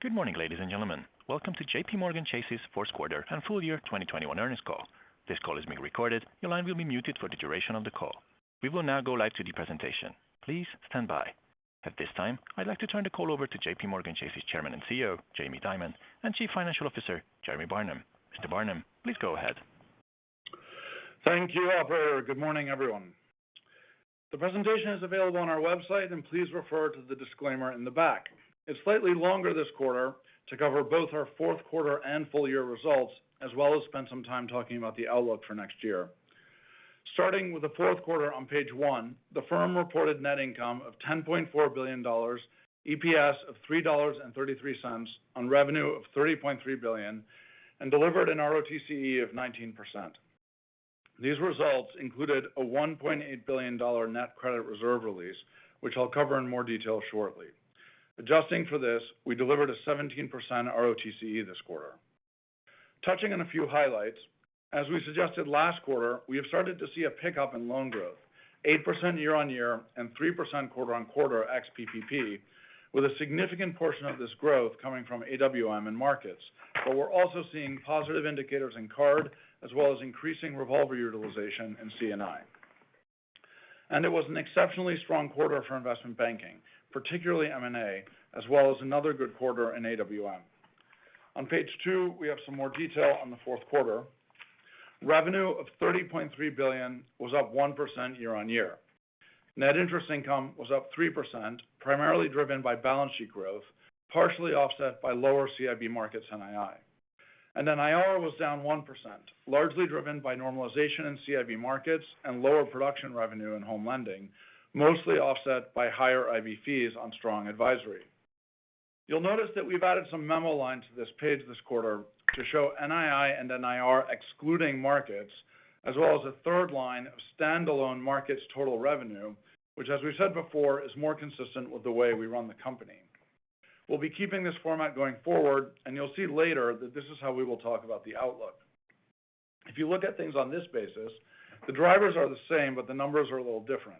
Good morning, ladies and gentlemen. Welcome to JPMorgan Chase's fourth quarter and full year 2021 earnings call. This call is being recorded. Your line will be muted for the duration of the call. We will now go live to the presentation. Please stand by. At this time, I'd like to turn the call over to JPMorgan Chase's Chairman and CEO, Jamie Dimon, and Chief Financial Officer, Jeremy Barnum. Mr. Barnum, please go ahead. Thank you, operator. Good morning, everyone. The presentation is available on our website, and please refer to the disclaimer in the back. It's slightly longer this quarter to cover both our fourth quarter and full year results, as well as spend some time talking about the outlook for next year. Starting with the fourth quarter on page one, the firm reported net income of $10.4 billion, EPS of $3.33 on revenue of $30.3 billion, and delivered an ROTCE of 19%. These results included a $1.8 billion net credit reserve release, which I'll cover in more detail shortly. Adjusting for this, we delivered a 17% ROTCE this quarter. Touching on a few highlights, as we suggested last quarter, we have started to see a pickup in loan growth, 8% year-on-year and 3% quarter-on-quarter ex PPP, with a significant portion of this growth coming from AWM and markets. We're also seeing positive indicators in card as well as increasing revolver utilization in C&I. It was an exceptionally strong quarter for investment banking, particularly M&A, as well as another good quarter in AWM. On page two, we have some more detail on the fourth quarter. Revenue of $30.3 billion was up 1% year-on-year. Net interest income was up 3%, primarily driven by balance sheet growth, partially offset by lower CIB markets NII. Then IR was down 1%, largely driven by normalization in CIB markets and lower production revenue in home lending, mostly offset by higher IB fees on strong advisory. You'll notice that we've added some memo lines to this page this quarter to show NII and NIR excluding markets, as well as a third line of standalone markets total revenue, which as we said before, is more consistent with the way we run the company. We'll be keeping this format going forward, and you'll see later that this is how we will talk about the outlook. If you look at things on this basis, the drivers are the same, but the numbers are a little different.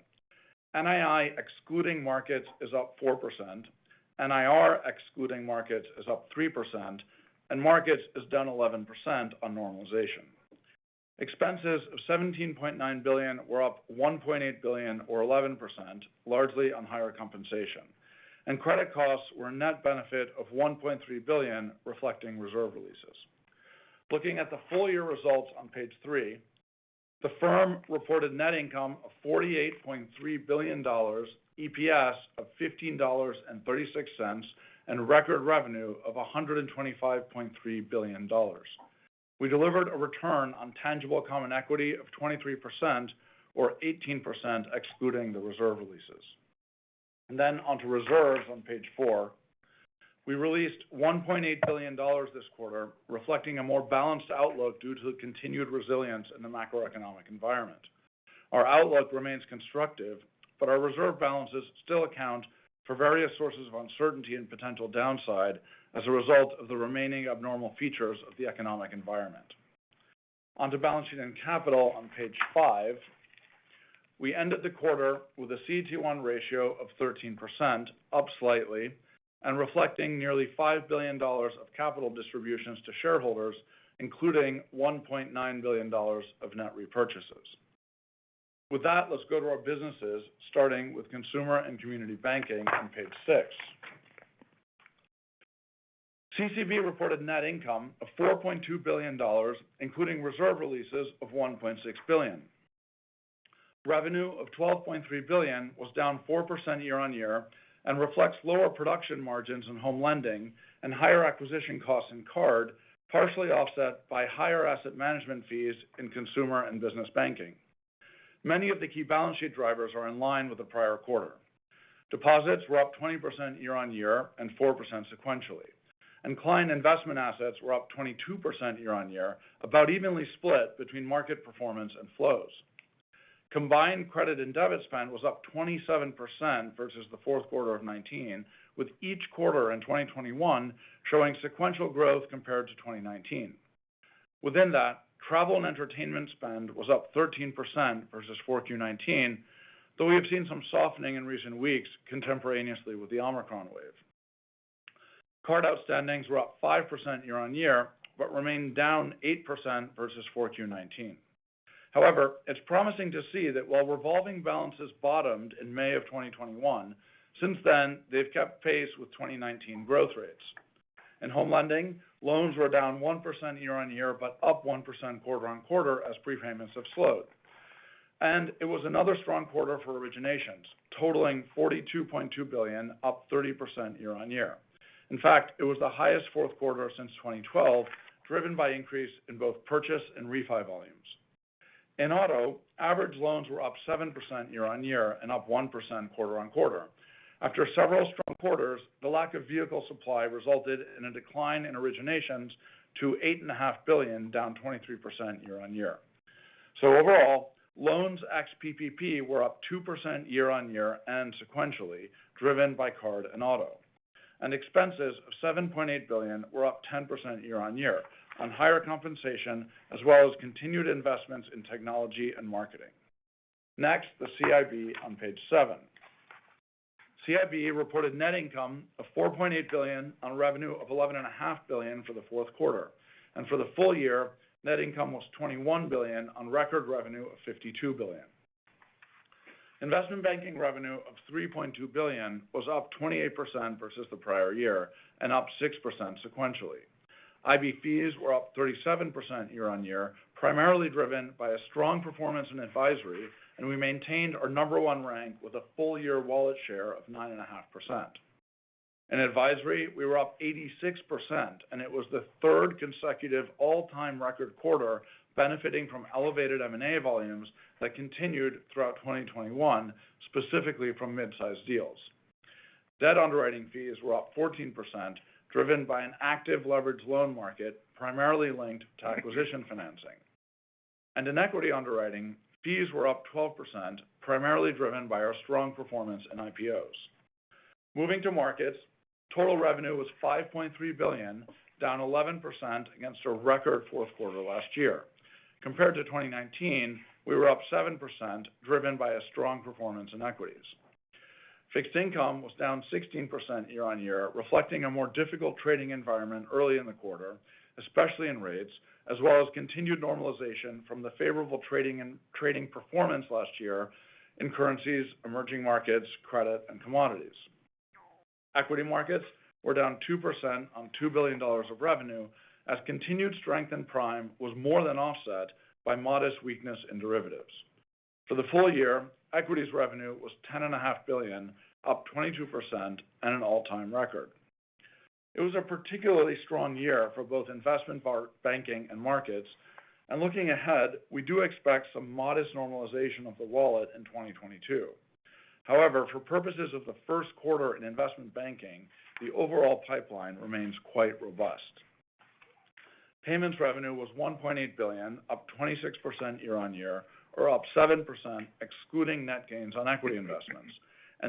NII excluding markets is up 4%, NIR excluding markets is up 3%, and markets is down 11% on normalization. Expenses of $17.9 billion were up $1.8 billion or 11%, largely on higher compensation. Credit costs were a net benefit of $1.3 billion, reflecting reserve releases. Looking at the full year results on page three, the firm reported net income of $48.3 billion, EPS of $15.36, and record revenue of $125.3 billion. We delivered a return on tangible common equity of 23% or 18% excluding the reserve releases. On to reserves on page four. We released $1.8 billion this quarter, reflecting a more balanced outlook due to the continued resilience in the macroeconomic environment. Our outlook remains constructive, but our reserve balances still account for various sources of uncertainty and potential downside as a result of the remaining abnormal features of the economic environment. On to balancing and capital on page five. We ended the quarter with a CET1 ratio of 13%, up slightly, and reflecting nearly $5 billion of capital distributions to shareholders, including $1.9 billion of net repurchases. With that, let's go to our businesses, starting with Consumer and Community Banking on page six. CCB reported net income of $4.2 billion, including reserve releases of $1.6 billion. Revenue of $12.3 billion was down 4% year-on-year and reflects lower production margins in home lending and higher acquisition costs in card, partially offset by higher asset management fees in consumer and business banking. Many of the key balance sheet drivers are in line with the prior quarter. Deposits were up 20% year-on-year and 4% sequentially, and client investment assets were up 22% year-on-year, about evenly split between market performance and flows. Combined credit and debit spend was up 27% versus the fourth quarter of 2019, with each quarter in 2021 showing sequential growth compared to 2019. Within that, travel and entertainment spend was up 13% versus 4Q 2019, though we have seen some softening in recent weeks contemporaneously with the Omicron wave. Card outstandings were up 5% year-on-year, but remained down 8% versus 4Q 2019. However, it's promising to see that while revolving balances bottomed in May of 2021, since then, they've kept pace with 2019 growth rates. In home lending, loans were down 1% year-on-year, but up 1% quarter-on-quarter as prepayments have slowed. It was another strong quarter for originations, totaling $42.2 billion, up 30% year-on-year. In fact, it was the highest fourth quarter since 2012, driven by increase in both purchase and refi volumes. In auto, average loans were up 7% year-over-year and up 1% quarter-over-quarter. After several strong quarters, the lack of vehicle supply resulted in a decline in originations to $8.5 billion, down 23% year-over-year. Overall, loans ex PPP were up 2% year-over-year and sequentially, driven by card and auto. Expenses of $7.8 billion were up 10% year-over-year on higher compensation, as well as continued investments in technology and marketing. Next, the CIB on page seven. CIB reported net income of $4.8 billion on revenue of $11.5 billion for the fourth quarter. For the full year, net income was $21 billion on record revenue of $52 billion. Investment Banking revenue of $3.2 billion was up 28% versus the prior year and up 6% sequentially. IB fees were up 37% year-on-year, primarily driven by a strong performance in advisory, and we maintained our number one rank with a full year wallet share of 9.5%. In advisory, we were up 86%, and it was the third consecutive all-time record quarter benefiting from elevated M&A volumes that continued throughout 2021, specifically from mid-size deals. Debt underwriting fees were up 14%, driven by an active leverage loan market primarily linked to acquisition financing. In equity underwriting, fees were up 12%, primarily driven by our strong performance in IPOs. Moving to markets, total revenue was $5.3 billion, down 11% against a record fourth quarter last year. Compared to 2019, we were up 7%, driven by a strong performance in equities. Fixed income was down 16% year-on-year, reflecting a more difficult trading environment early in the quarter, especially in rates, as well as continued normalization from the favorable trading performance last year in currencies, emerging markets, credit and commodities. Equity markets were down 2% on $2 billion of revenue as continued strength in prime was more than offset by modest weakness in derivatives. For the full year, equities revenue was $10.5 billion, up 22% and an all-time record. It was a particularly strong year for both investment banking and markets. Looking ahead, we do expect some modest normalization of the wallet in 2022. However, for purposes of the first quarter in investment banking, the overall pipeline remains quite robust. Payments revenue was $1.8 billion, up 26% year-on-year, or up 7% excluding net gains on equity investments.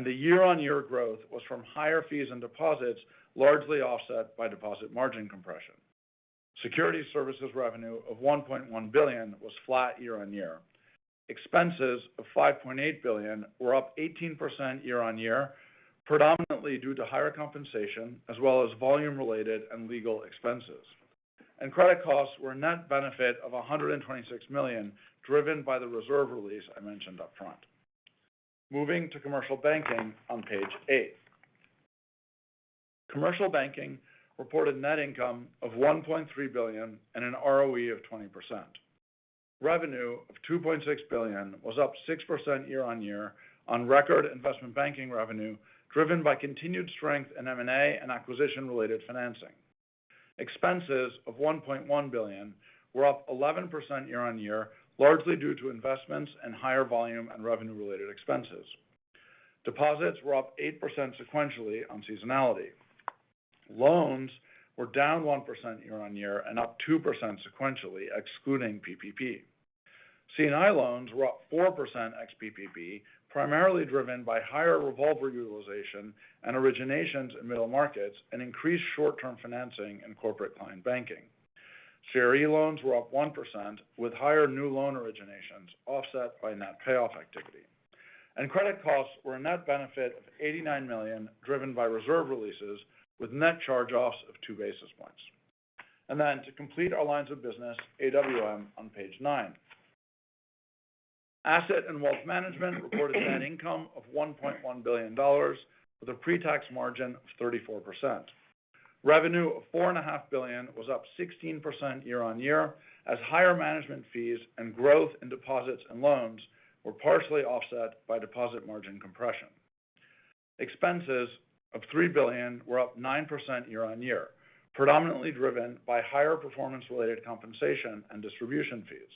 The year-on-year growth was from higher fees and deposits, largely offset by deposit margin compression. Securities Services revenue of $1.1 billion was flat year-on-year. Expenses of $5.8 billion were up 18% year-on-year, predominantly due to higher compensation as well as volume-related and legal expenses. Credit costs were a net benefit of $126 million, driven by the reserve release I mentioned up front. Moving to Commercial Banking on page eight. Commercial Banking reported net income of $1.3 billion and an ROE of 20%. Revenue of $2.6 billion was up 6% year-over-year on record investment banking revenue driven by continued strength in M&A and acquisition-related financing. Expenses of $1.1 billion were up 11% year-over-year, largely due to investments and higher volume and revenue-related expenses. Deposits were up 8% sequentially on seasonality. Loans were down 1% year-over-year and up 2% sequentially, excluding PPP. C&I loans were up 4% ex PPP, primarily driven by higher revolver utilization and originations in middle markets and increased short-term financing in corporate client banking. CRE loans were up 1%, with higher new loan originations offset by net payoff activity. Credit costs were a net benefit of $89 million, driven by reserve releases with net charge-offs of 2 basis points. To complete our lines of business, AWM on page nine. Asset and Wealth Management reported net income of $1.1 billion with a pre-tax margin of 34%. Revenue of $4.5 billion was up 16% year-on-year as higher management fees and growth in deposits and loans were partially offset by deposit margin compression. Expenses of $3 billion were up 9% year-on-year, predominantly driven by higher performance-related compensation and distribution fees.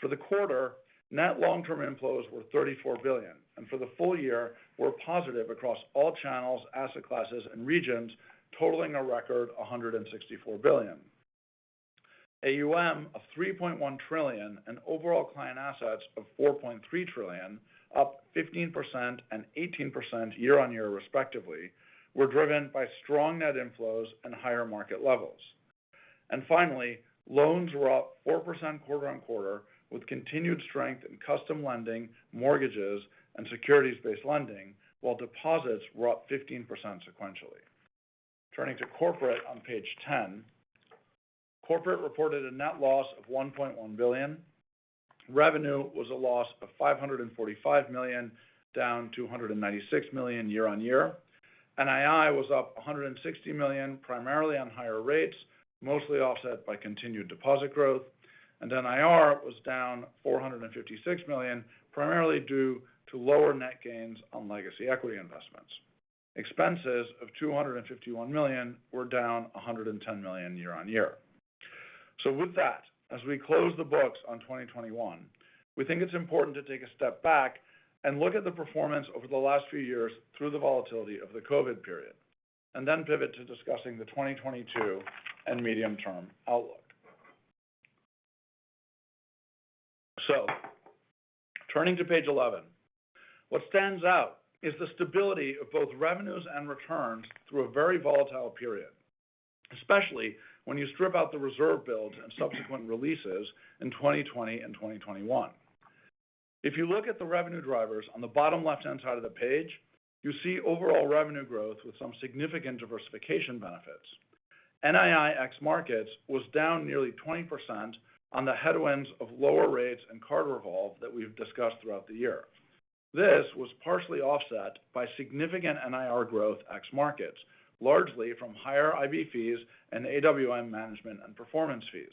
For the quarter, net long-term inflows were $34 billion, and for the full year, were positive across all channels, asset classes, and regions, totaling a record $164 billion. AUM of $3.1 trillion and overall client assets of $4.3 trillion, up 15% and 18% year-on-year respectively, were driven by strong net inflows and higher market levels. Finally, loans were up 4% quarter-over-quarter with continued strength in custom lending, mortgages, and securities-based lending, while deposits were up 15% sequentially. Turning to Corporate on page 10. Corporate reported a net loss of $1.1 billion. Revenue was a loss of $545 million, down $296 million year-over-year. NII was up $160 million, primarily on higher rates, mostly offset by continued deposit growth. NIR was down $456 million, primarily due to lower net gains on legacy equity investments. Expenses of $251 million were down $110 million year-over-year. With that, as we close the books on 2021, we think it's important to take a step back and look at the performance over the last few years through the volatility of the COVID period, and then pivot to discussing the 2022 and medium-term outlook. Turning to page 11. What stands out is the stability of both revenues and returns through a very volatile period, especially when you strip out the reserve builds and subsequent releases in 2020 and 2021. If you look at the revenue drivers on the bottom left-hand side of the page, you see overall revenue growth with some significant diversification benefits. NII ex markets was down nearly 20% on the headwinds of lower rates and card revolve that we've discussed throughout the year. This was partially offset by significant NIR growth ex markets, largely from higher IB fees and AWM management and performance fees.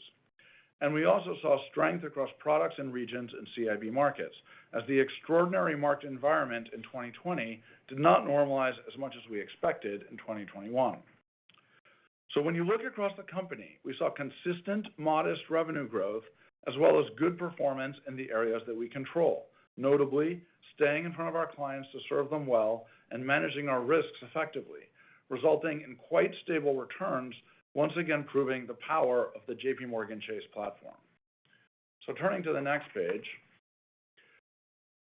We also saw strength across products and regions in CIB markets as the extraordinary market environment in 2020 did not normalize as much as we expected in 2021. When you look across the company, we saw consistent, modest revenue growth as well as good performance in the areas that we control. Notably, staying in front of our clients to serve them well and managing our risks effectively, resulting in quite stable returns, once again proving the power of the JPMorgan Chase platform. Turning to the next page.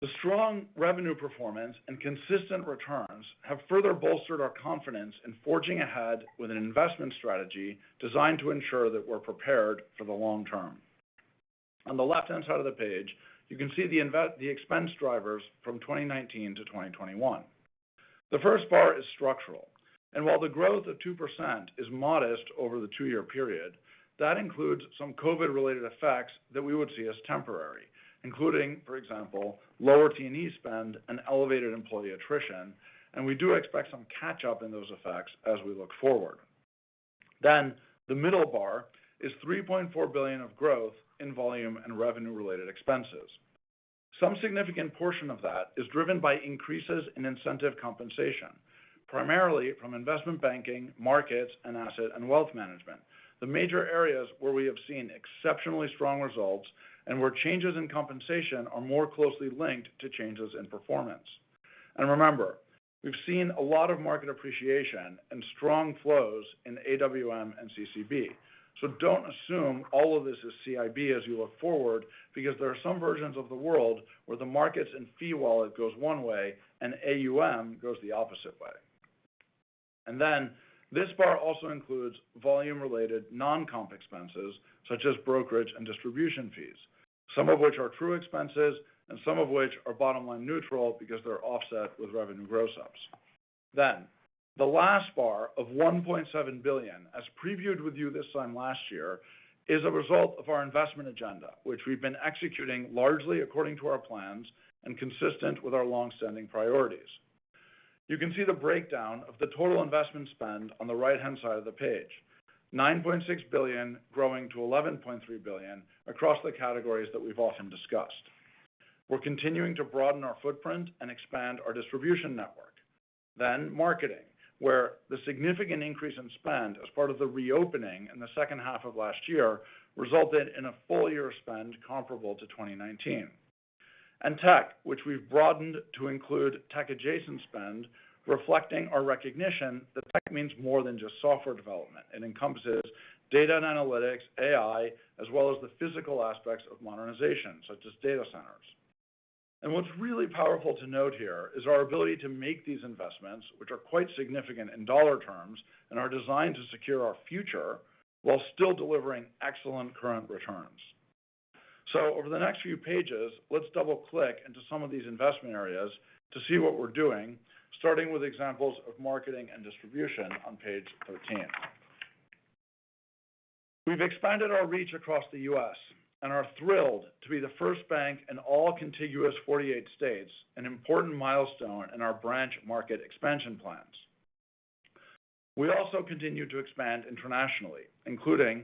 The strong revenue performance and consistent returns have further bolstered our confidence in forging ahead with an investment strategy designed to ensure that we're prepared for the long term. On the left-hand side of the page, you can see the expense drivers from 2019 to 2021. The first bar is structural, and while the growth of 2% is modest over the two-year period, that includes some COVID-related effects that we would see as temporary, including, for example, lower T&E spend and elevated employee attrition. We do expect some catch-up in those effects as we look forward. The middle bar is $3.4 billion of growth in volume and revenue-related expenses. Some significant portion of that is driven by increases in incentive compensation, primarily from Investment Banking, Markets, and Asset and Wealth Management. The major areas where we have seen exceptionally strong results and where changes in compensation are more closely linked to changes in performance. Remember, we've seen a lot of market appreciation and strong flows in AWM and CCB. Don't assume all of this is CIB as you look forward because there are some versions of the world where the markets and fee wallet goes one way and AUM goes the opposite way. This bar also includes volume-related non-comp expenses such as brokerage and distribution fees, some of which are true expenses and some of which are bottom-line neutral because they're offset with revenue gross ups. The last bar of $1.7 billion, as previewed with you this time last year, is a result of our investment agenda, which we've been executing largely according to our plans and consistent with our long-standing priorities. You can see the breakdown of the total investment spend on the right-hand side of the page. $9.6 billion growing to $11.3 billion across the categories that we've often discussed. We're continuing to broaden our footprint and expand our distribution network. Marketing, where the significant increase in spend as part of the reopening in the second half of last year resulted in a full year spend comparable to 2019. Tech, which we've broadened to include tech adjacent spend, reflecting our recognition that tech means more than just software development. It encompasses data and analytics, AI, as well as the physical aspects of modernization, such as data centers. What's really powerful to note here is our ability to make these investments, which are quite significant in dollar terms and are designed to secure our future while still delivering excellent current returns. Over the next few pages, let's double-click into some of these investment areas to see what we're doing, starting with examples of marketing and distribution on page 13. We've expanded our reach across the U.S. and are thrilled to be the first bank in all contiguous 48 states, an important milestone in our branch market expansion plans. We also continue to expand internationally, including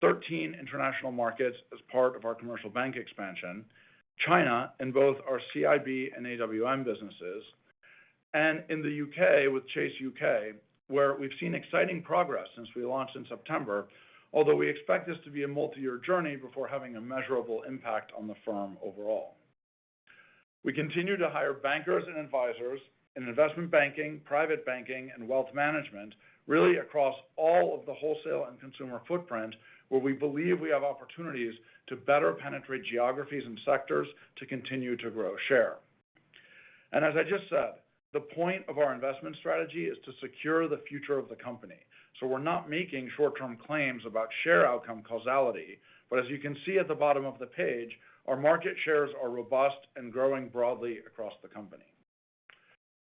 13 international markets as part of our commercial bank expansion, China in both our CIB and AWM businesses, and in the U.K. with Chase UK, where we've seen exciting progress since we launched in September. Although we expect this to be a multi-year journey before having a measurable impact on the firm overall. We continue to hire bankers and advisors in investment banking, private banking, and wealth management, really across all of the wholesale and consumer footprint, where we believe we have opportunities to better penetrate geographies and sectors to continue to grow share. As I just said, the point of our investment strategy is to secure the future of the company. We're not making short-term claims about share outcome causality. As you can see at the bottom of the page, our market shares are robust and growing broadly across the company.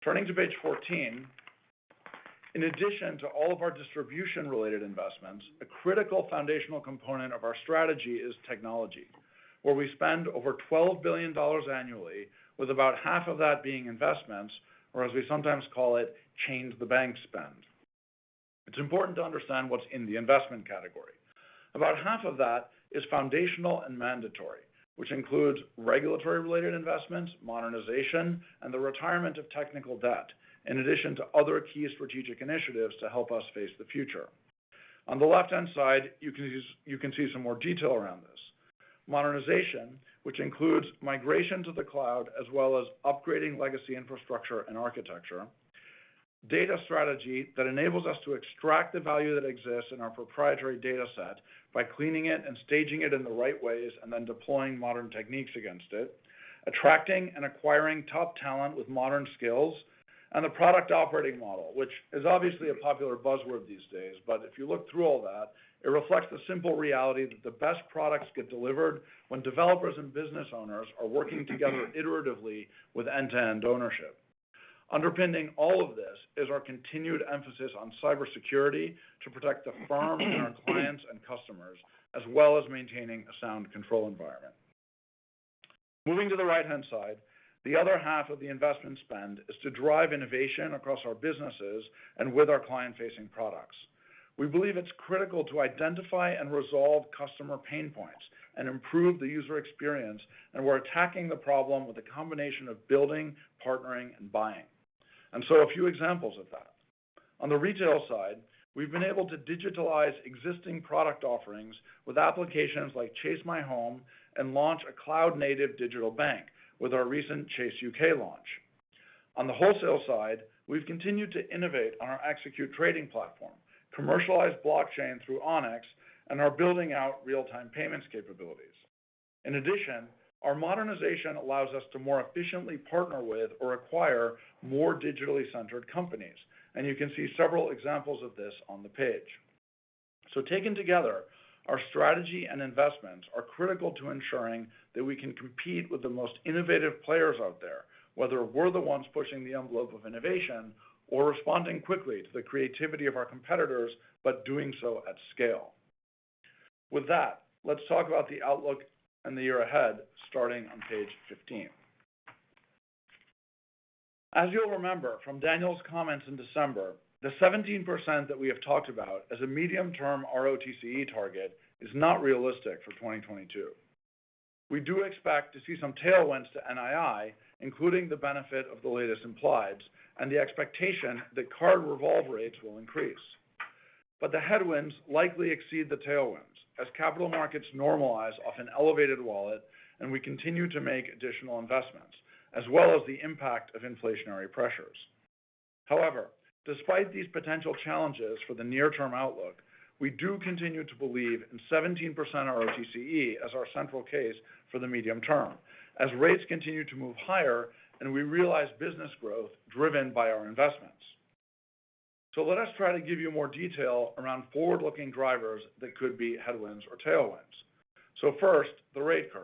Turning to page 14. In addition to all of our distribution-related investments, a critical foundational component of our strategy is technology, where we spend over $12 billion annually with about half of that being investments, or as we sometimes call it, change the bank spend. It's important to understand what's in the investment category. About half of that is foundational and mandatory, which includes regulatory-related investments, modernization, and the retirement of technical debt, in addition to other key strategic initiatives to help us face the future. On the left-hand side, you can see some more detail around this. Modernization, which includes migration to the cloud, as well as upgrading legacy infrastructure and architecture. Data strategy that enables us to extract the value that exists in our proprietary data set by cleaning it and staging it in the right ways, and then deploying modern techniques against it. Attracting and acquiring top talent with modern skills and a product operating model, which is obviously a popular buzzword these days. If you look through all that, it reflects the simple reality that the best products get delivered when developers and business owners are working together iteratively with end-to-end ownership. Underpinning all of this is our continued emphasis on cybersecurity to protect the firm and our clients and customers, as well as maintaining a sound control environment. Moving to the right-hand side, the other half of the investment spend is to drive innovation across our businesses and with our client-facing products. We believe it's critical to identify and resolve customer pain points and improve the user experience, and we're attacking the problem with a combination of building, partnering, and buying. A few examples of that. On the retail side, we've been able to digitalize existing product offerings with applications like Chase MyHome and launch a cloud-native digital bank with our recent Chase UK launch. On the wholesale side, we've continued to innovate on our Execute trading platform, commercialized blockchain through Onyx, and are building out real-time payments capabilities. In addition, our modernization allows us to more efficiently partner with or acquire more digitally centered companies, and you can see several examples of this on the page. Taken together, our strategy and investments are critical to ensuring that we can compete with the most innovative players out there, whether we're the ones pushing the envelope of innovation or responding quickly to the creativity of our competitors, but doing so at scale. With that, let's talk about the outlook and the year ahead, starting on page 15. As you'll remember from Daniel's comments in December, the 17% that we have talked about as a medium-term ROTCE target is not realistic for 2022. We do expect to see some tailwinds to NII, including the benefit of the latest implieds and the expectation that card revolve rates will increase. The headwinds likely exceed the tailwinds as capital markets normalize off an elevated wallet and we continue to make additional investments, as well as the impact of inflationary pressures. However, despite these potential challenges for the near-term outlook, we do continue to believe in 17% ROTCE as our central case for the medium term as rates continue to move higher and we realize business growth driven by our investments. Let us try to give you more detail around forward-looking drivers that could be headwinds or tailwinds. First, the rate curve.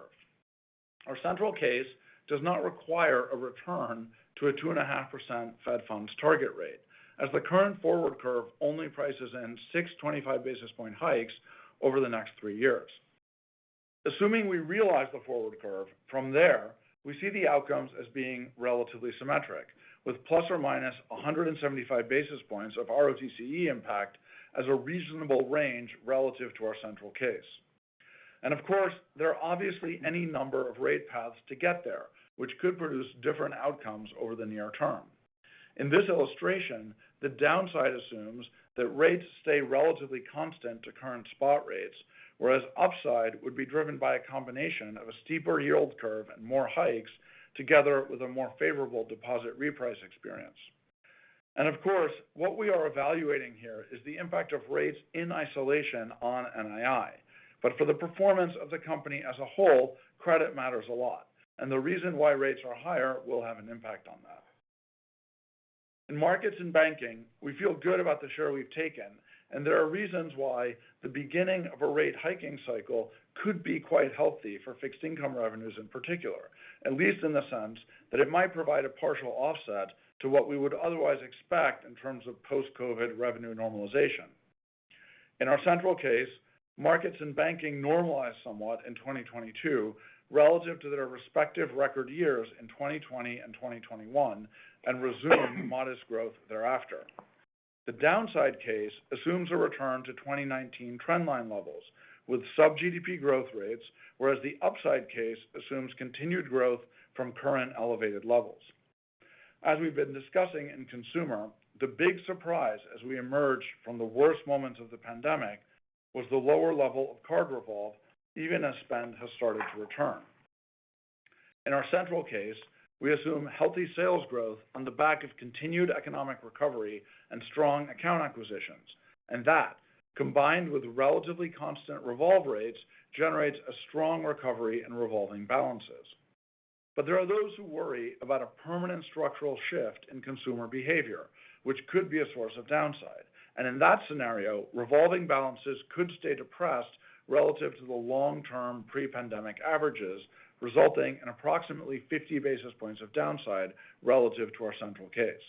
Our central case does not require a return to a 2.5% Fed funds target rate, as the current forward curve only prices in six 25-basis-point hikes over the next three years. Assuming we realize the forward curve from there, we see the outcomes as being relatively symmetric, with ±175 basis points of ROTCE impact as a reasonable range relative to our central case. Of course, there are obviously any number of rate paths to get there which could produce different outcomes over the near term. In this illustration, the downside assumes that rates stay relatively constant to current spot rates, whereas upside would be driven by a combination of a steeper yield curve and more hikes together with a more favorable deposit reprice experience. Of course, what we are evaluating here is the impact of rates in isolation on NII. For the performance of the company as a whole, credit matters a lot, and the reason why rates are higher will have an impact on that. In markets and banking, we feel good about the share we've taken, and there are reasons why the beginning of a rate hiking cycle could be quite healthy for fixed income revenues in particular, at least in the sense that it might provide a partial offset to what we would otherwise expect in terms of post-COVID revenue normalization. In our central case, markets and banking normalize somewhat in 2022 relative to their respective record years in 2020 and 2021 and resume modest growth thereafter. The downside case assumes a return to 2019 trendline levels with sub-GDP growth rates, whereas the upside case assumes continued growth from current elevated levels. As we've been discussing in consumer, the big surprise as we emerge from the worst moments of the pandemic was the lower level of card revolve even as spend has started to return. In our central case, we assume healthy sales growth on the back of continued economic recovery and strong account acquisitions. That, combined with relatively constant revolve rates, generates a strong recovery in revolving balances. There are those who worry about a permanent structural shift in consumer behavior, which could be a source of downside. In that scenario, revolving balances could stay depressed relative to the long-term pre-pandemic averages, resulting in approximately 50 basis points of downside relative to our central case.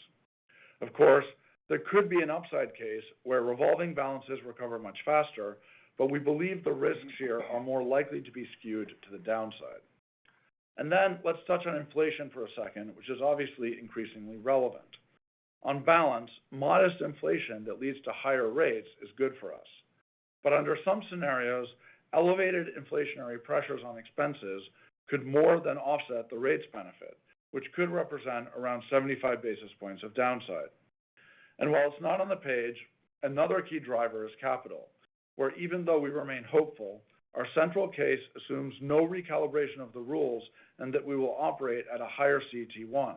Of course, there could be an upside case where revolving balances recover much faster, but we believe the risks here are more likely to be skewed to the downside. Then let's touch on inflation for a second, which is obviously increasingly relevant. On balance, modest inflation that leads to higher rates is good for us. Under some scenarios, elevated inflationary pressures on expenses could more than offset the rates benefit, which could represent around 75 basis points of downside. While it's not on the page, another key driver is capital, where even though we remain hopeful, our central case assumes no recalibration of the rules and that we will operate at a higher CET1,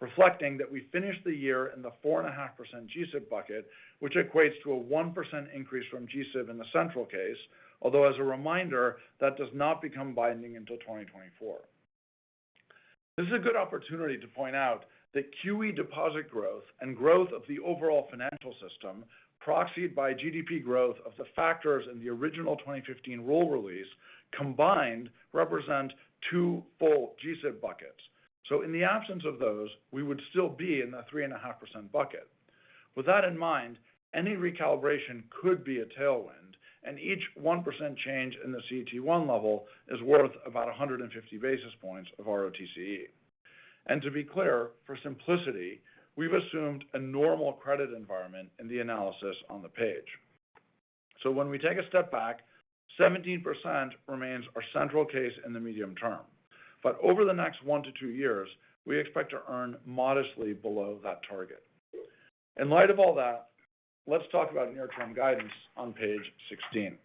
reflecting that we finished the year in the 4.5% GSIB bucket, which equates to a 1% increase from GSIB in the central case. Although as a reminder, that does not become binding until 2024. This is a good opportunity to point out that QE deposit growth and growth of the overall financial system, proxied by GDP growth of the factors in the original 2015 rule release combined represent 2% full GSIB buckets. In the absence of those, we would still be in the 3.5% bucket. With that in mind, any recalibration could be a tailwind, and each 1% change in the CET1 level is worth about 150 basis points of ROTCE. To be clear, for simplicity, we've assumed a normal credit environment in the analysis on the page. When we take a step back, 17% remains our central case in the medium term. Over the next one-two years, we expect to earn modestly below that target. In light of all that, let's talk about near-term guidance on page 16.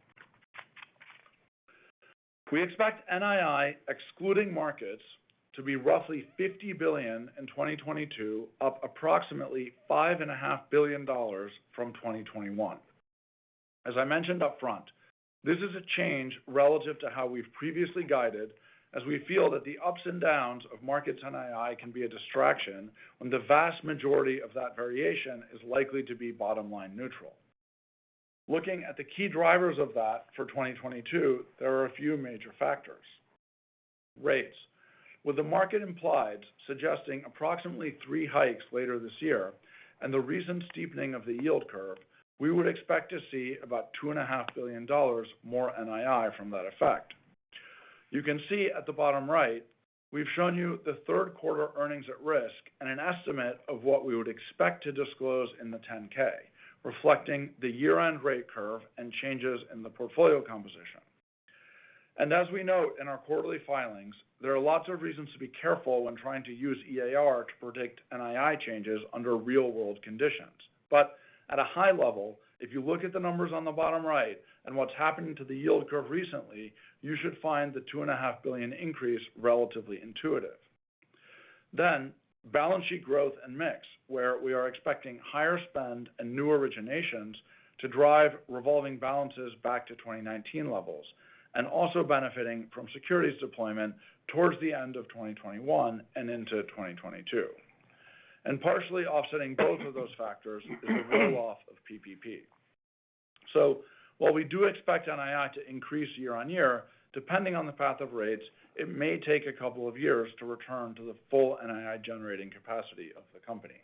We expect NII, excluding markets, to be roughly $50 billion in 2022, up approximately $5.5 billion from 2021. As I mentioned upfront, this is a change relative to how we've previously guided as we feel that the ups and downs of markets NII can be a distraction when the vast majority of that variation is likely to be bottom line neutral. Looking at the key drivers of that for 2022, there are a few major factors. Rates. With the market implied suggesting approximately three hikes later this year and the recent steepening of the yield curve, we would expect to see about $2.5 billion more NII from that effect. You can see at the bottom right, we've shown you the third quarter earnings at risk and an estimate of what we would expect to disclose in the 10-K, reflecting the year-end rate curve and changes in the portfolio composition. As we note in our quarterly filings, there are lots of reasons to be careful when trying to use EAR to predict NII changes under real-world conditions. At a high level, if you look at the numbers on the bottom right and what's happening to the yield curve recently, you should find the $2.5 billion increase relatively intuitive. Balance sheet growth and mix, where we are expecting higher spend and new originations to drive revolving balances back to 2019 levels and also benefiting from securities deployment towards the end of 2021 and into 2022. Partially offsetting both of those factors is a roll-off of PPP. While we do expect NII to increase year-on-year, depending on the path of rates, it may take a couple of years to return to the full NII generating capacity of the company.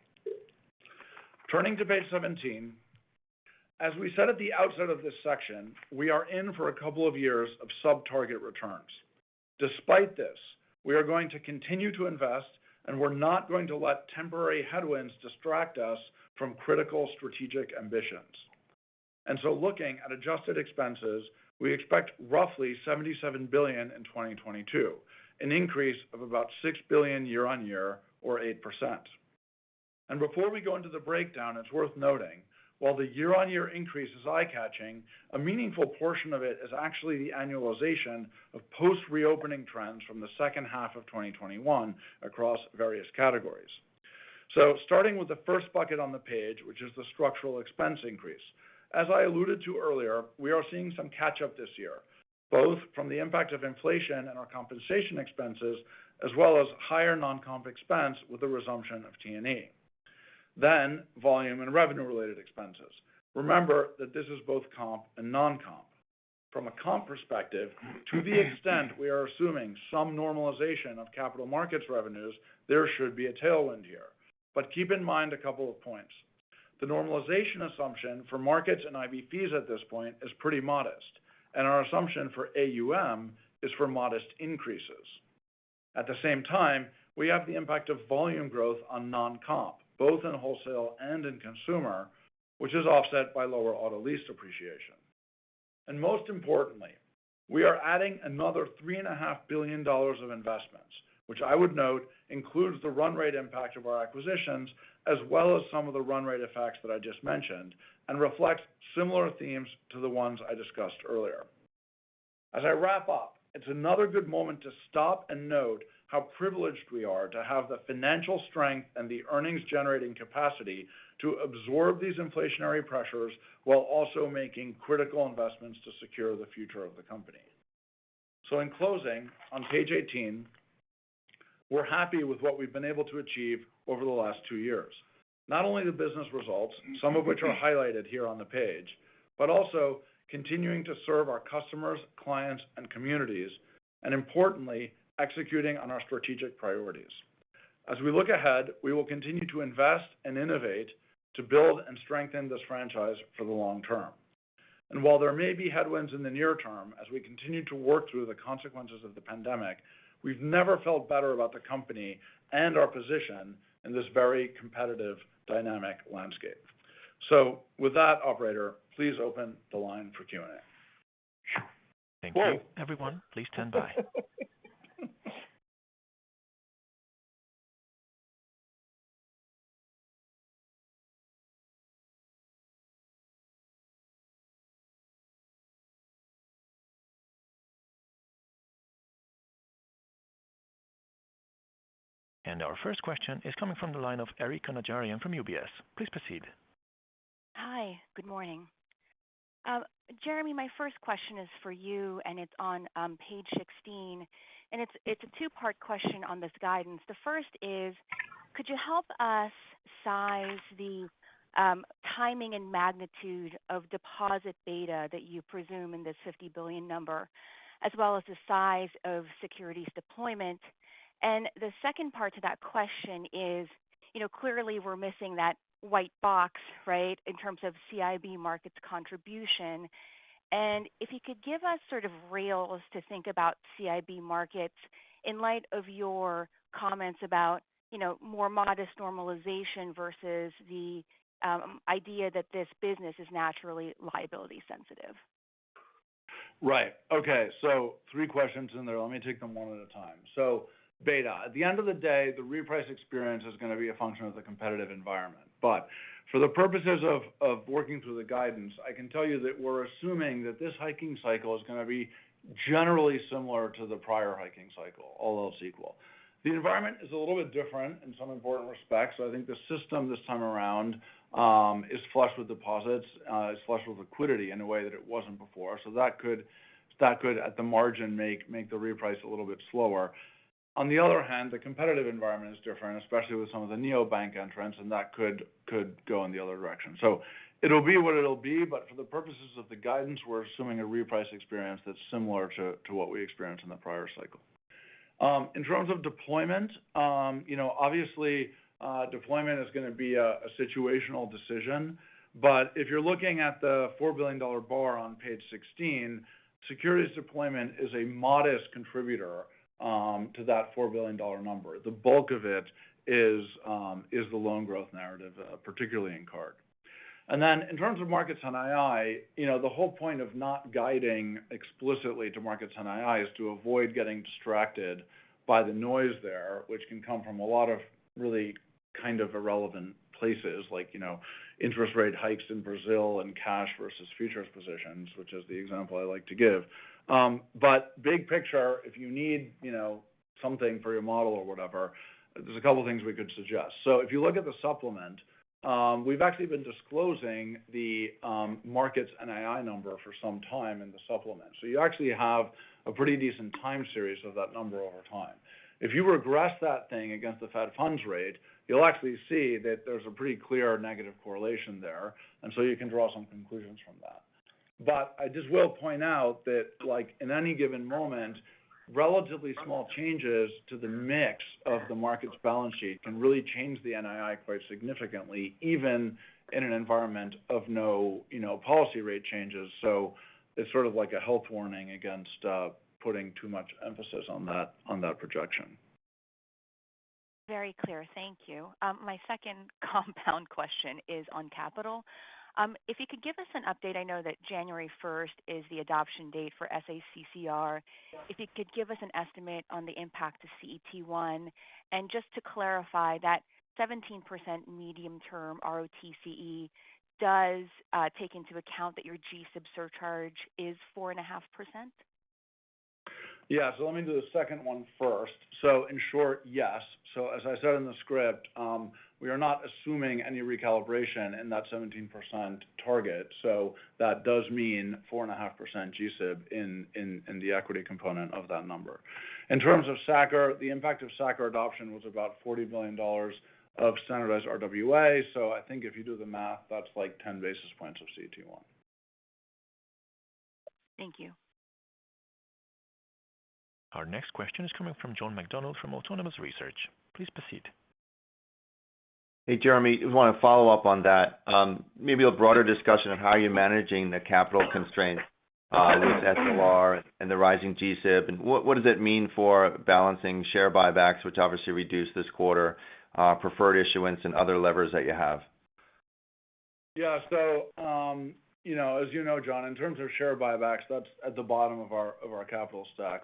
Turning to page 17. As we said at the outset of this section, we are in for a couple of years of sub-target returns. Despite this, we are going to continue to invest, and we're not going to let temporary headwinds distract us from critical strategic ambitions. Looking at adjusted expenses, we expect roughly $77 billion in 2022, an increase of about $6 billion year-over-year or 8%. Before we go into the breakdown, it's worth noting while the year-over-year increase is eye-catching, a meaningful portion of it is actually the annualization of post-reopening trends from the second half of 2021 across various categories. Starting with the first bucket on the page, which is the structural expense increase. As I alluded to earlier, we are seeing some catch-up this year, both from the impact of inflation and our compensation expenses, as well as higher non-comp expense with the resumption of T&E. Volume and revenue-related expenses. Remember that this is both comp and non-comp. From a comp perspective, to the extent we are assuming some normalization of capital markets revenues, there should be a tailwind here. Keep in mind a couple of points. The normalization assumption for markets and IB fees at this point is pretty modest, and our assumption for AUM is for modest increases. At the same time, we have the impact of volume growth on non-comp, both in wholesale and in consumer, which is offset by lower auto lease depreciation. Most importantly, we are adding another $3.5 billion of investments, which I would note includes the run rate impact of our acquisitions, as well as some of the run rate effects that I just mentioned, and reflects similar themes to the ones I discussed earlier. As I wrap up, it's another good moment to stop and note how privileged we are to have the financial strength and the earnings generating capacity to absorb these inflationary pressures while also making critical investments to secure the future of the company. In closing, on page 18, we're happy with what we've been able to achieve over the last two years. Not only the business results, some of which are highlighted here on the page, but also continuing to serve our customers, clients, and communities, and importantly, executing on our strategic priorities. As we look ahead, we will continue to invest and innovate to build and strengthen this franchise for the long term. While there may be headwinds in the near term as we continue to work through the consequences of the pandemic, we've never felt better about the company and our position in this very competitive dynamic landscape. With that, operator, please open the line for Q&A. Thank you. Everyone, please stand by. Our first question is coming from the line of Erika Najarian from UBS. Please proceed. Hi. Good morning. Jeremy, my first question is for you, and it's on page 16, and it's a two-part question on this guidance. The first is, could you help us size the timing and magnitude of deposit beta that you presume in this $50 billion number, as well as the size of securities deployment? The second part to that question is, you know, clearly we're missing that white box, right, in terms of CIB markets contribution. If you could give us sort of rails to think about CIB markets in light of your comments about, you know, more modest normalization versus the idea that this business is naturally liability sensitive. Right. Okay. Three questions in there. Let me take them one at a time. Beta. At the end of the day, the reprice experience is gonna be a function of the competitive environment. For the purposes of working through the guidance, I can tell you that we're assuming that this hiking cycle is gonna be generally similar to the prior hiking cycle, all else equal. The environment is a little bit different in some important respects. I think the system this time around is flush with deposits, is flush with liquidity in a way that it wasn't before. That could at the margin make the reprice a little bit slower. On the other hand, the competitive environment is different, especially with some of the neobank entrants, and that could go in the other direction. It'll be what it'll be, but for the purposes of the guidance, we're assuming a reprice experience that's similar to what we experienced in the prior cycle. In terms of deployment, you know, obviously, deployment is gonna be a situational decision. If you're looking at the $4 billion bar on page 16, securities deployment is a modest contributor to that $4 billion number. The bulk of it is the loan growth narrative, particularly in card. Then in terms of markets NII, you know, the whole point of not guiding explicitly to markets NII is to avoid getting distracted by the noise there, which can come from a lot of really kind of irrelevant places like, you know, interest rate hikes in Brazil and cash versus futures positions, which is the example I like to give. But big picture, if you need, you know, something for your model or whatever, there's a couple of things we could suggest. If you look at the supplement, we've actually been disclosing the markets NII number for some time in the supplement. You actually have a pretty decent time series of that number over time. If you regress that thing against the Fed funds rate, you'll actually see that there's a pretty clear negative correlation there, and so you can draw some conclusions from that. I just will point out that like in any given moment, relatively small changes to the mix of the Fed's balance sheet can really change the NII quite significantly, even in an environment of no, you know, policy rate changes. It's sort of like a health warning against putting too much emphasis on that, on that projection. Very clear. Thank you. My second compound question is on capital. If you could give us an update, I know that January 1 is the adoption date for SA-CCR. If you could give us an estimate on the impact to CET1. Just to clarify, that 17% medium-term ROTCE does take into account that your GSIB surcharge is 4.5%? Yeah. Let me do the second one first. In short, yes. As I said in the script, we are not assuming any recalibration in that 17% target. That does mean 4.5% GSIB in the equity component of that number. In terms of SA-CCR, the impact of SA-CCR adoption was about $40 billion of standardized RWA. I think if you do the math, that's like 10 basis points of CET1. Thank you. Our next question is coming from John McDonald from Autonomous Research. Please proceed. Hey, Jeremy. I wanna follow up on that. Maybe a broader discussion on how you're managing the capital constraints with SLR and the rising GSIB. What does it mean for balancing share buybacks, which obviously reduced this quarter, preferred issuance and other levers that you have? Yeah. You know, as you know, John, in terms of share buybacks, that's at the bottom of our capital stack.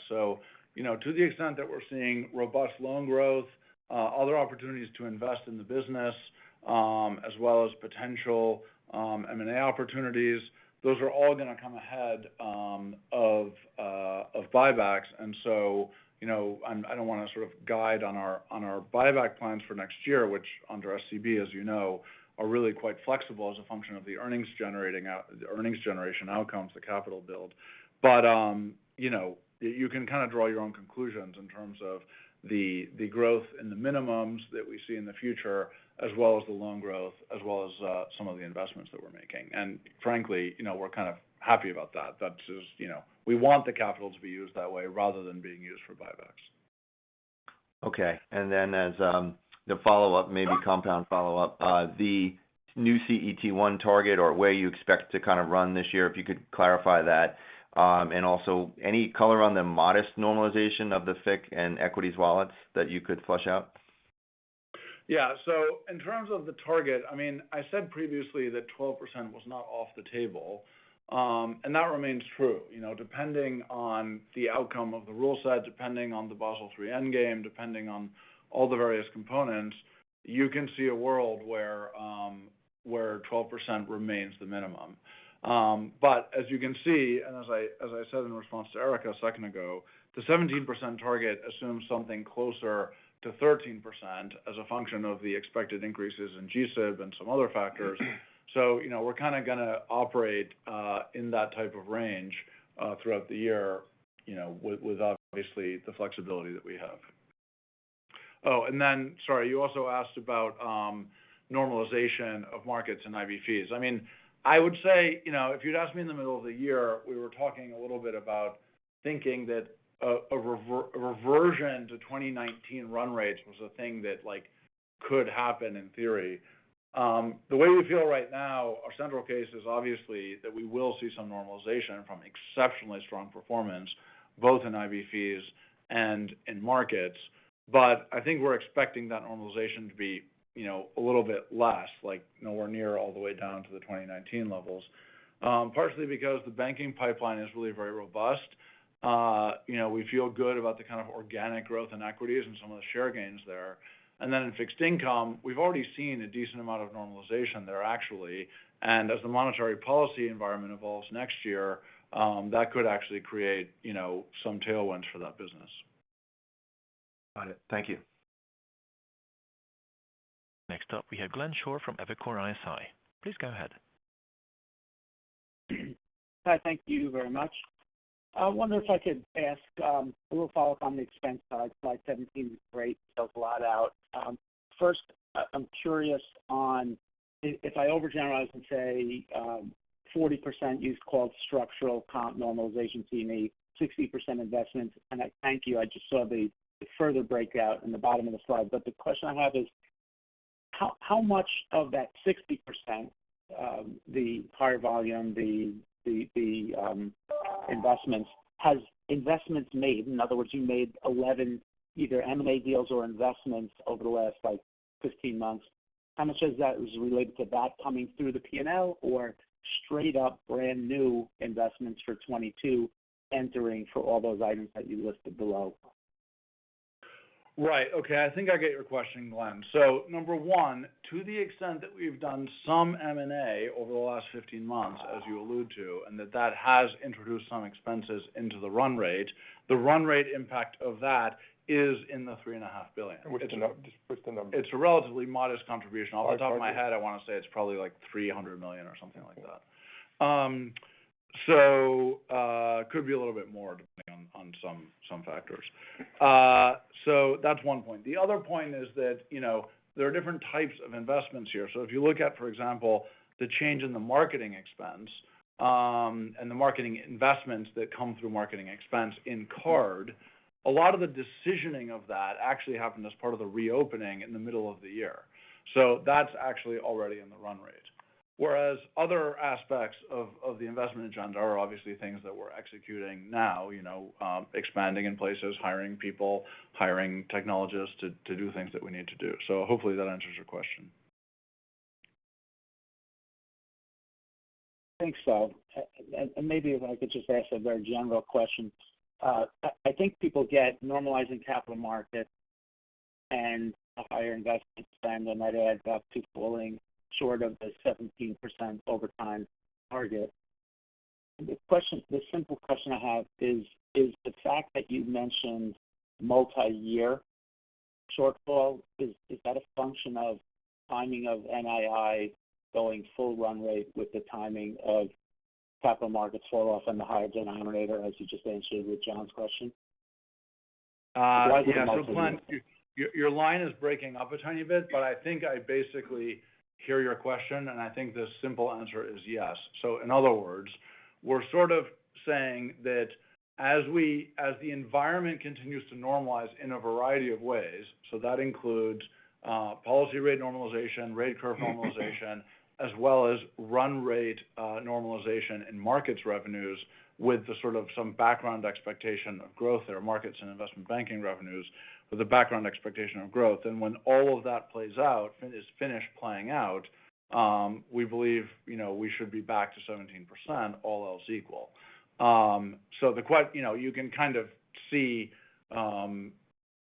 You know, to the extent that we're seeing robust loan growth, other opportunities to invest in the business, as well as potential M&A opportunities, those are all gonna come ahead of buybacks. You know, I don't wanna sort of guide on our buyback plans for next year, which under SCB, as you know, are really quite flexible as a function of the earnings generation outcomes, the capital build. You know, you can kind of draw your own conclusions in terms of the growth and the minimums that we see in the future, as well as the loan growth, as well as some of the investments that we're making. Frankly, you know, we're kind of happy about that. That's just, you know, we want the capital to be used that way rather than being used for buybacks. Okay. As the follow-up, maybe compound follow-up, the new CET1 target or where you expect to kind of run this year, if you could clarify that. Also any color on the modest normalization of the FIC and equities wallets that you could flesh out? Yeah. In terms of the target, I mean, I said previously that 12% was not off the table, and that remains true. You know, depending on the outcome of the rule side, depending on the Basel III Endgame, depending on all the various components, you can see a world where 12% remains the minimum. But as you can see, and as I said in response to Erika a second ago, the 17% target assumes something closer to 13% as a function of the expected increases in GSE and some other factors. You know, we're kinda gonna operate in that type of range throughout the year, you know, with obviously the flexibility that we have. Oh, and then, sorry, you also asked about normalization of markets and IB fees. I mean, I would say, you know, if you'd asked me in the middle of the year, we were talking a little bit about thinking that a reversion to 2019 run rates was a thing that, like, could happen in theory. The way we feel right now, our central case is obviously that we will see some normalization from exceptionally strong performance, both in IB fees and in markets. I think we're expecting that normalization to be, you know, a little bit less, like nowhere near all the way down to the 2019 levels. Partially because the banking pipeline is really very robust. You know, we feel good about the kind of organic growth in equities and some of the share gains there. Then in fixed income, we've already seen a decent amount of normalization there, actually. As the monetary policy environment evolves next year, that could actually create, you know, some tailwinds for that business. Got it. Thank you. Next up, we have Glenn Schorr from Evercore ISI. Please go ahead. Hi, thank you very much. I wonder if I could ask a little follow-up on the expense side. Slide 17 was great, fills a lot out. First, I'm curious if I overgeneralize and say 40% you've called structural comp normalization to me, 60% investments. I thank you, I just saw the further breakout in the bottom of the slide. The question I have is how much of that 60%, the higher volume, the investments has investments made. In other words, you made 11 either M&A deals or investments over the last, like, 15 months. How much of that was related to that coming through the P&L or straight up brand new investments for 2022 entering for all those items that you listed below? Right. Okay. I think I get your question, Glenn. Number one, to the extent that we've done some M&A over the last 15 months, as you allude to, and that that has introduced some expenses into the run rate, the run rate impact of that is in the $3.5 billion. What's the number? It's a relatively modest contribution. Off the top of my head, I wanna say it's probably like $300 million or something like that. So could be a little bit more depending on some factors. That's one point. The other point is that, you know, there are different types of investments here. If you look at, for example, the change in the marketing expense, and the marketing investments that come through marketing expense in card, a lot of the decisioning of that actually happened as part of the reopening in the middle of the year. That's actually already in the run rate. Whereas other aspects of the investment agenda are obviously things that we're executing now, you know, expanding in places, hiring people, hiring technologists to do things that we need to do. Hopefully that answers your question. I think so. Maybe if I could just ask a very general question. I think people get normalizing capital markets and a higher investment spend than I did about falling short of the 17% ROTCE target. The simple question I have is the fact that you've mentioned multi-year shortfall a function of timing of NII going full run rate with the timing of capital markets falloff and the higher denominator, as you just answered with John's question? Yeah. Glenn, your line is breaking up a tiny bit, but I think I basically hear your question, and I think the simple answer is yes. In other words, we're sort of saying that as the environment continues to normalize in a variety of ways, that includes policy rate normalization, rate curve normalization, as well as run rate normalization in markets revenues with the sort of some background expectation of growth there, markets and investment banking revenues with a background expectation of growth. When all of that plays out, is finished playing out, we believe, you know, we should be back to 17%, all else equal. You know, you can kind of see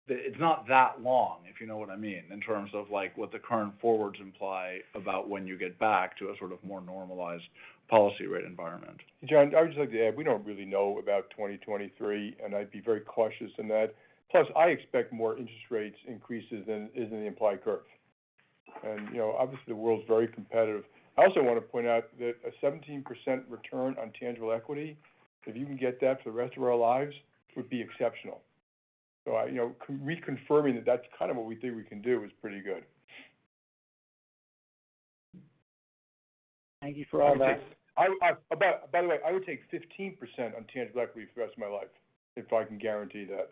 that it's not that long, if you know what I mean, in terms of like what the current forwards imply about when you get back to a sort of more normalized policy rate environment. Glenn, I would just like to add, we don't really know about 2023, and I'd be very cautious in that. Plus, I expect more interest rates increases than is in the implied curve. You know, obviously the world's very competitive. I also want to point out that a 17% return on tangible equity, if you can get that for the rest of our lives, would be exceptional. You know, reconfirming that that's kind of what we think we can do is pretty good. Thank you for all that. By the way, I would take 15% on tangible equity for the rest of my life if I can guarantee that.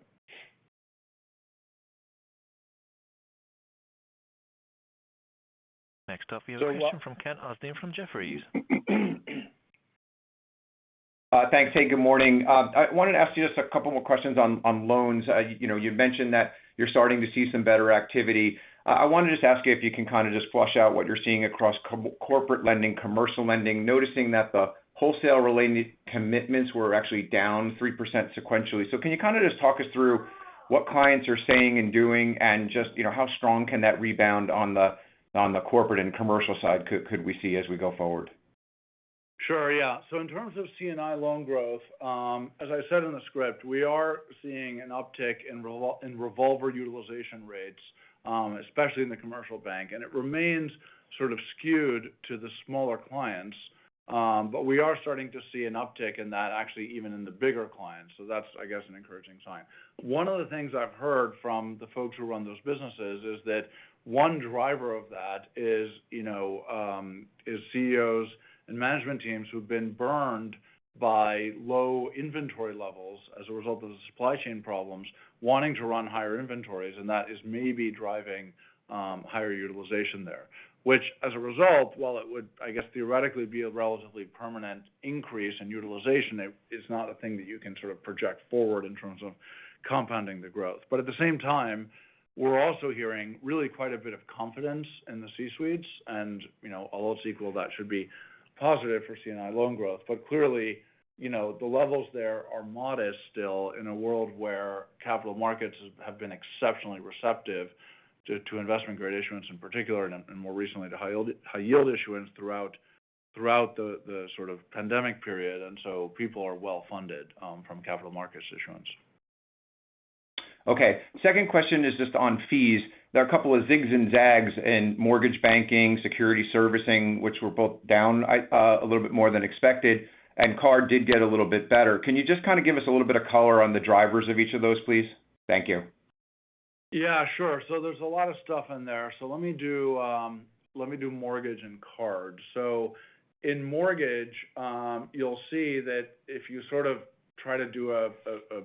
Next up we have a question from Ken Usdin from Jefferies. Thanks. Hey, good morning. I wanted to ask you just a couple more questions on loans. You know, you'd mentioned that you're starting to see some better activity. I wanted to just ask you if you can kinda just flesh out what you're seeing across corporate lending, commercial lending, noticing that the wholesale related commitments were actually down 3% sequentially. So can you kinda just talk us through what clients are saying and doing, and just, you know, how strong can that rebound on the corporate and commercial side could we see as we go forward? Sure, yeah. In terms of C&I loan growth, as I said in the script, we are seeing an uptick in revolver utilization rates, especially in the commercial bank. It remains sort of skewed to the smaller clients. We are starting to see an uptick in that actually even in the bigger clients. That's, I guess, an encouraging sign. One of the things I've heard from the folks who run those businesses is that one driver of that is, you know, is CEOs and management teams who've been burned by low inventory levels as a result of the supply chain problems wanting to run higher inventories, and that is maybe driving higher utilization there. Which as a result, while it would, I guess, theoretically be a relatively permanent increase in utilization, it is not a thing that you can sort of project forward in terms of compounding the growth. At the same time, we're also hearing really quite a bit of confidence in the C-suites, and, you know, all else equal that should be positive for C&I loan growth. Clearly, you know, the levels there are modest still in a world where capital markets have been exceptionally receptive to investment-grade issuance in particular, and more recently to high yield issuance throughout the sort of pandemic period. People are well-funded from capital markets issuance. Okay. Second question is just on fees. There are a couple of zigs and zags in mortgage banking, securities servicing, which were both down, I, a little bit more than expected, and card did get a little bit better. Can you just kind of give us a little bit of color on the drivers of each of those, please? Thank you. Yeah, sure. There's a lot of stuff in there. Let me do mortgage and card. In mortgage, you'll see that if you sort of try to do a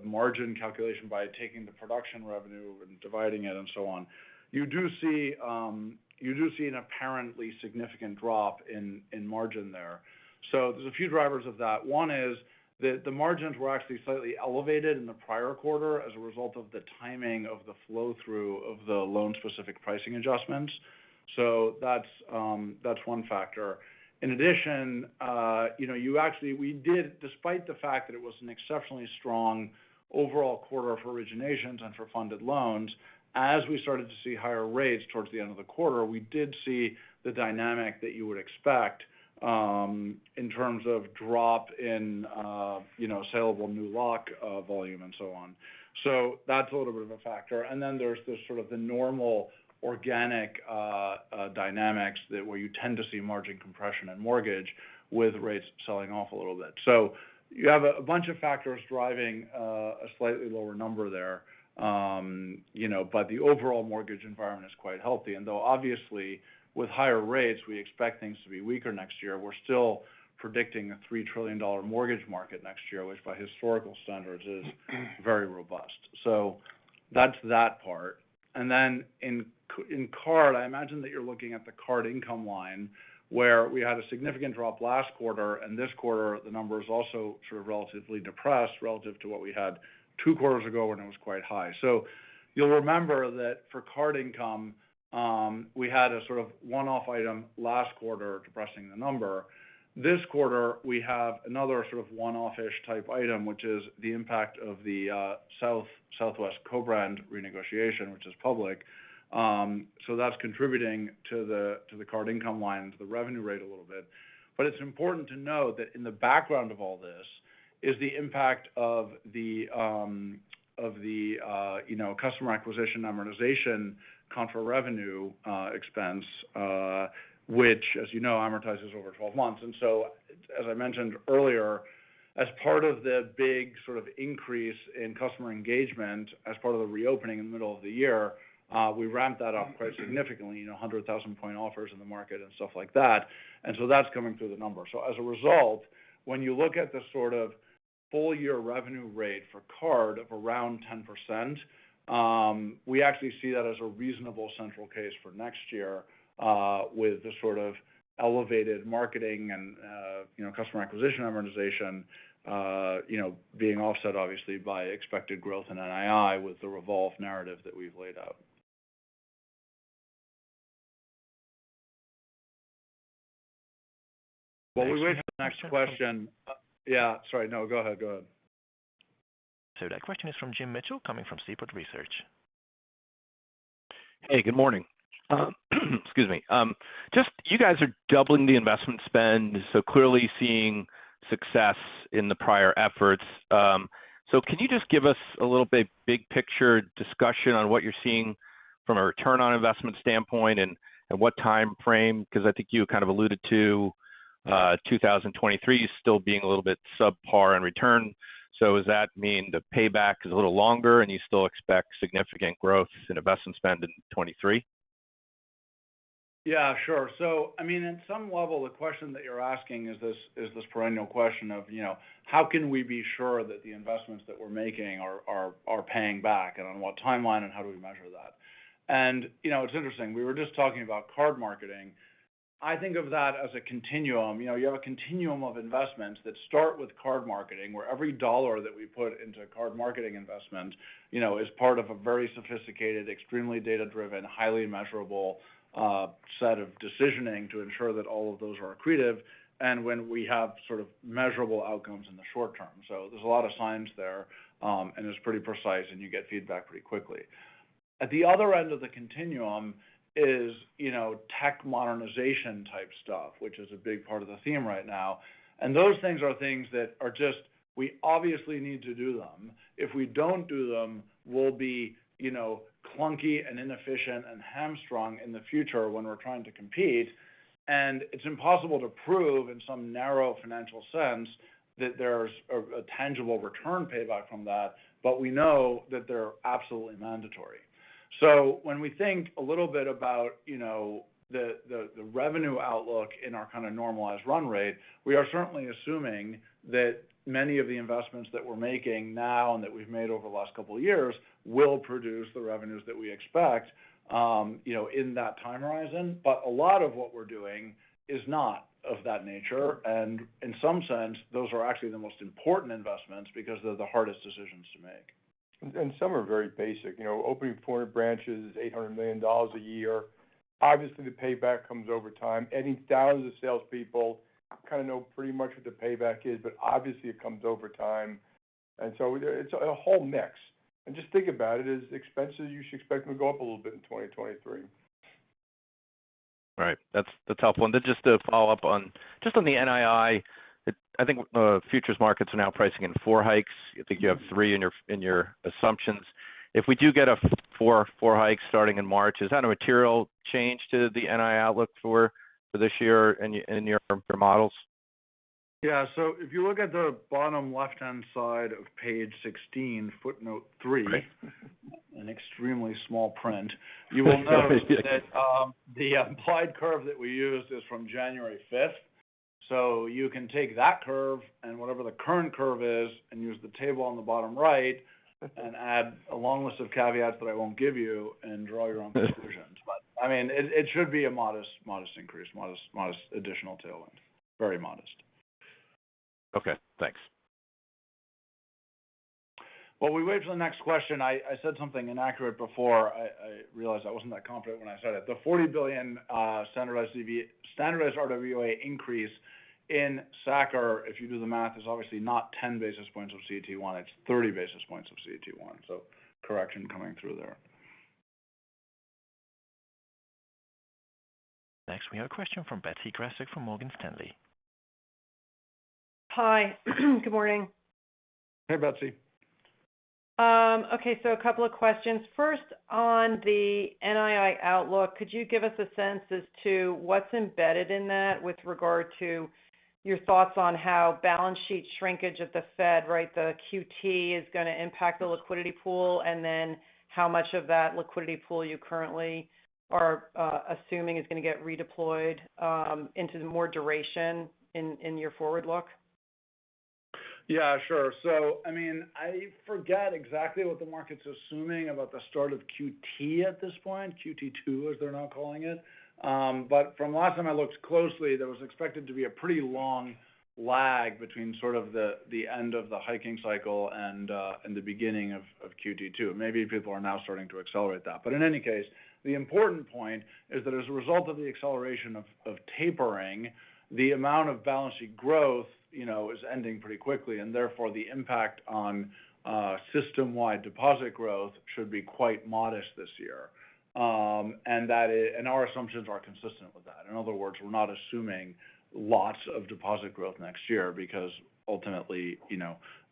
margin calculation by taking the production revenue and dividing it and so on, you do see an apparently significant drop in margin there. There's a few drivers of that. One is that the margins were actually slightly elevated in the prior quarter as a result of the timing of the flow-through of the loan-specific pricing adjustments. That's one factor. In addition, you know, we did, despite the fact that it was an exceptionally strong overall quarter for originations and for funded loans, as we started to see higher rates towards the end of the quarter, we did see the dynamic that you would expect, in terms of drop in, you know, salable new lock volume and so on. That's a little bit of a factor. Then there's the sort of normal organic dynamics where you tend to see margin compression and mortgage with rates selling off a little bit. You have a bunch of factors driving a slightly lower number there. The overall mortgage environment is quite healthy. Though obviously with higher rates, we expect things to be weaker next year, we're still predicting a $3 trillion mortgage market next year, which by historical standards is very robust. That's that part. In card, I imagine that you're looking at the card income line where we had a significant drop last quarter, and this quarter the number is also sort of relatively depressed relative to what we had two quarters ago when it was quite high. You'll remember that for card income, we had a sort of one-off item last quarter depressing the number. This quarter, we have another sort of one-off-ish type item, which is the impact of the Southwest co-brand renegotiation, which is public. That's contributing to the card income line and to the revenue rate a little bit. It's important to know that in the background of all this is the impact of the you know, customer acquisition amortization contra revenue expense, which as you know, amortizes over 12 months. As I mentioned earlier, as part of the big sort of increase in customer engagement as part of the reopening in the middle of the year, we ramp that up quite significantly, you know, 100,000-point offers in the market and stuff like that. That's coming through the numbers. As a result, when you look at the sort of full year revenue rate for card of around 10%, we actually see that as a reasonable central case for next year, with the sort of elevated marketing and, you know, customer acquisition amortization, you know, being offset obviously by expected growth in NII with the revolve narrative that we've laid out. While we wait for the next question. Next question. Yeah. Sorry. No, go ahead. That question is from Jim Mitchell coming from Seaport Research Partners. Hey, good morning. Excuse me. Just you guys are doubling the investment spend, so clearly seeing success in the prior efforts. Can you just give us a little bit big picture discussion on what you're seeing from a return on investment standpoint and what time frame? Because I think you kind of alluded to 2023 still being a little bit subpar in return. Does that mean the payback is a little longer, and you still expect significant growth in investment spend in 2023? Yeah, sure. I mean, in some level, the question that you're asking is this, is this perennial question of, you know, how can we be sure that the investments that we're making are paying back, and on what timeline and how do we measure that? You know, it's interesting. We were just talking about card marketing. I think of that as a continuum. You know, you have a continuum of investments that start with card marketing, where every dollar that we put into card marketing investment, you know, is part of a very sophisticated, extremely data-driven, highly measurable set of decisioning to ensure that all of those are accretive and when we have sort of measurable outcomes in the short term. There's a lot of science there, and it's pretty precise, and you get feedback pretty quickly. At the other end of the continuum is tech modernization type stuff, which is a big part of the theme right now. Those things are things that are just we obviously need to do them. If we don't do them, we'll be clunky and inefficient and hamstrung in the future when we're trying to compete. It's impossible to prove in some narrow financial sense that there's a tangible return payback from that. We know that they're absolutely mandatory. When we think a little bit about the revenue outlook in our kind of normalized run rate, we are certainly assuming that many of the investments that we're making now and that we've made over the last couple of years will produce the revenues that we expect in that time horizon. A lot of what we're doing is not of that nature. In some sense, those are actually the most important investments because they're the hardest decisions to make. Some are very basic. Opening 400 branches is $800 million a year. Obviously, the payback comes over time. Adding thousands of salespeople, kind of know pretty much what the payback is, but obviously it comes over time. It's a whole mix. Just think about it, as expenses you should expect them to go up a little bit in 2023. Right. That's the tough one. Just to follow up on the NII, I think futures markets are now pricing in four hikes. I think you have three in your assumptions. If we do get a four hike starting in March, is that a material change to the NII outlook for this year in your models? Yeah. If you look at the bottom left-hand side of page 16, footnote 3, in extremely small print, you will notice that the applied curve that we used is from January fifth. You can take that curve and whatever the current curve is and use the table on the bottom right and add a long list of caveats that I won't give you and draw your own conclusions. I mean, it should be a modest increase, modest additional tailwind. Very modest. Okay, thanks. While we wait for the next question, I said something inaccurate before. I realized I wasn't that confident when I said it. The $40 billion standardized RWA increase in SA-CCR, if you do the math, is obviously not 10 basis points of CET1, it's 30 basis points of CET1. Correction coming through there. Next, we have a question from Betsy Graseck from Morgan Stanley. Hi. Good morning. Hey, Betsy. Okay, a couple of questions. First on the NII outlook, could you give us a sense as to what's embedded in that with regard to your thoughts on how balance sheet shrinkage at the Fed, right, the QT is going to impact the liquidity pool, and then how much of that liquidity pool you currently are assuming is going to get redeployed into more duration in your forward look? Yeah, sure. I mean, I forget exactly what the market's assuming about the start of QT at this point, QT two, as they're now calling it. From last time I looked closely, there was expected to be a pretty long lag between sort of the end of the hiking cycle and the beginning of QT two. Maybe people are now starting to accelerate that. In any case, the important point is that as a result of the acceleration of tapering, the amount of balance sheet growth is ending pretty quickly, and therefore the impact on system-wide deposit growth should be quite modest this year. Our assumptions are consistent with that. In other words, we're not assuming lots of deposit growth next year because ultimately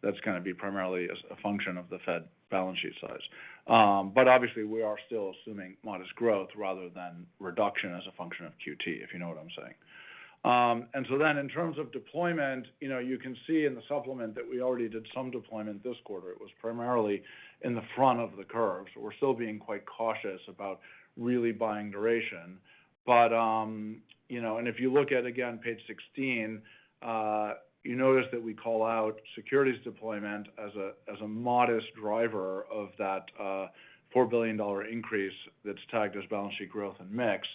that's going to be primarily a function of the Fed balance sheet size. Obviously we are still assuming modest growth rather than reduction as a function of QT, if you know what I'm saying. In terms of deployment, you can see in the supplement that we already did some deployment this quarter. It was primarily in the front of the curve. We're still being quite cautious about really buying duration. If you look at, again, page 16, you notice that we call out securities deployment as a modest driver of that $4 billion increase that's tagged as balance sheet growth and mix.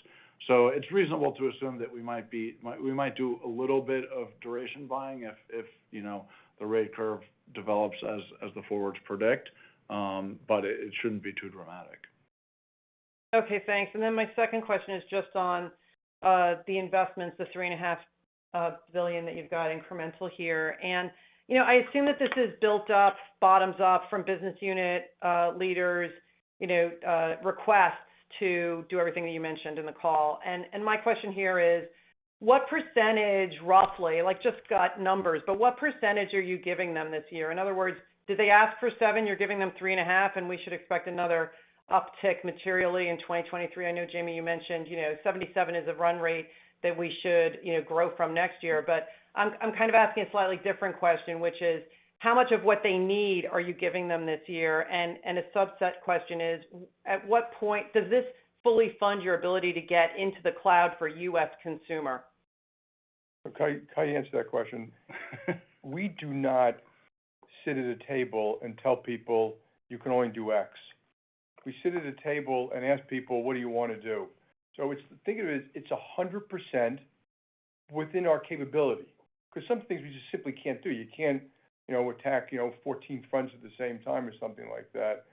It's reasonable to assume that we might do a little bit of duration buying if the rate curve develops as the forwards predict, but it shouldn't be too dramatic. Okay, thanks. My second question is just on the investments, the $3.5 billion that you've got incremental here. I assume that this is built up, bottoms up from business unit leaders requests to do everything that you mentioned in the call. My question here is, what percentage roughly, like just gut numbers, but what percentage are you giving them this year? In other words, did they ask for $7 billion, you're giving them $3.5 billion, and we should expect another uptick materially in 2023? I know, Jamie, you mentioned 77 is a run rate that we should grow from next year. I'm kind of asking a slightly different question, which is, how much of what they need are you giving them this year? A subset question is, at what point does this fully fund your ability to get into the cloud for U.S. consumer? I'll answer that question. We do not sit at a table and tell people you can only do X. We sit at a table and ask people, what do you want to do? Think of it as it's 100% within our capability because some things we just simply can't do. You can't attack 14 fronts at the same time or something like that.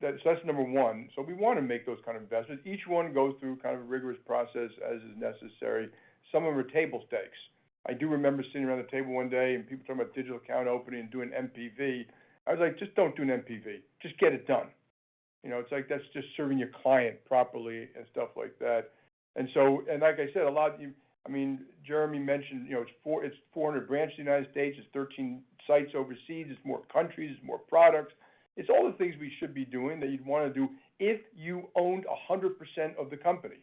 That's number one. We want to make those kind of investments. Each one goes through kind of a rigorous process as is necessary. Some of them are table stakes. I do remember sitting around the table one day and people talking about digital account opening and doing MVP. I was like, "Just don't do an MVP. Just get it done." You know, it's like that's just serving your client properly and stuff like that. Like I said, a lot of you, I mean, Jeremy mentioned, you know, it's 400 branches in the U.S., 13 sites overseas, more countries, more products. It's all the things we should be doing that you'd wanna do if you owned 100% of the company.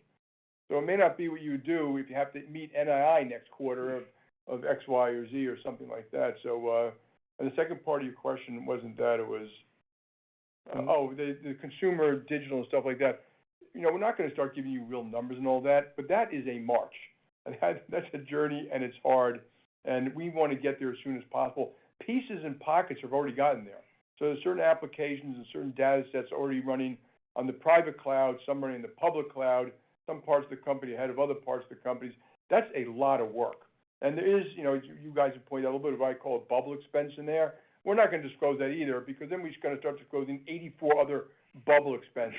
It may not be what you would do if you have to meet NII next quarter of X, Y, or Z or something like that. The second part of your question wasn't that, it was the consumer digital and stuff like that. You know, we're not gonna start giving you real numbers and all that, but that is a march. That's a journey, and it's hard, and we wanna get there as soon as possible. Pieces and pockets have already gotten there. There's certain applications and certain datasets already running on the private cloud, some are in the public cloud, some parts of the company ahead of other parts of the companies. That's a lot of work. There is, you know, you guys have pointed out a little bit of what I call bubble expense in there. We're not gonna disclose that either because then we just gotta start disclosing 84 other bubble expenses.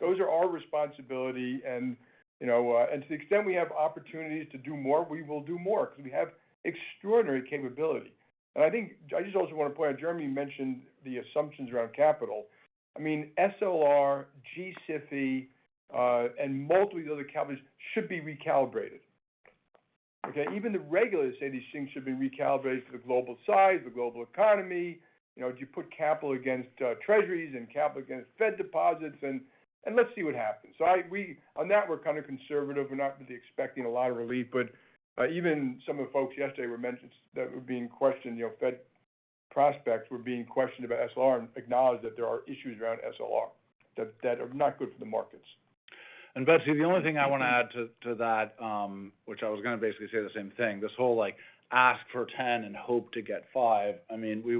Those are our responsibility and, you know, and to the extent we have opportunities to do more, we will do more because we have extraordinary capability. I think I just also want to point out, Jeremy mentioned the assumptions around capital. I mean, SLR, G-SIB, and multiple of the other capitals should be recalibrated. Okay? Even the regulators say these things should be recalibrated to the global size, the global economy. You know, do you put capital against treasuries and capital against Fed deposits? Let's see what happens. We, on that, we're kind of conservative. We're not really expecting a lot of relief, but even some of the folks yesterday were mentioned that were being questioned, you know, Fed prospects were being questioned about SLR and acknowledged that there are issues around SLR that are not good for the markets. Betsy, the only thing I want to add to that, which I was gonna basically say the same thing, this whole, like, ask for 10 and hope to get 5. I mean, we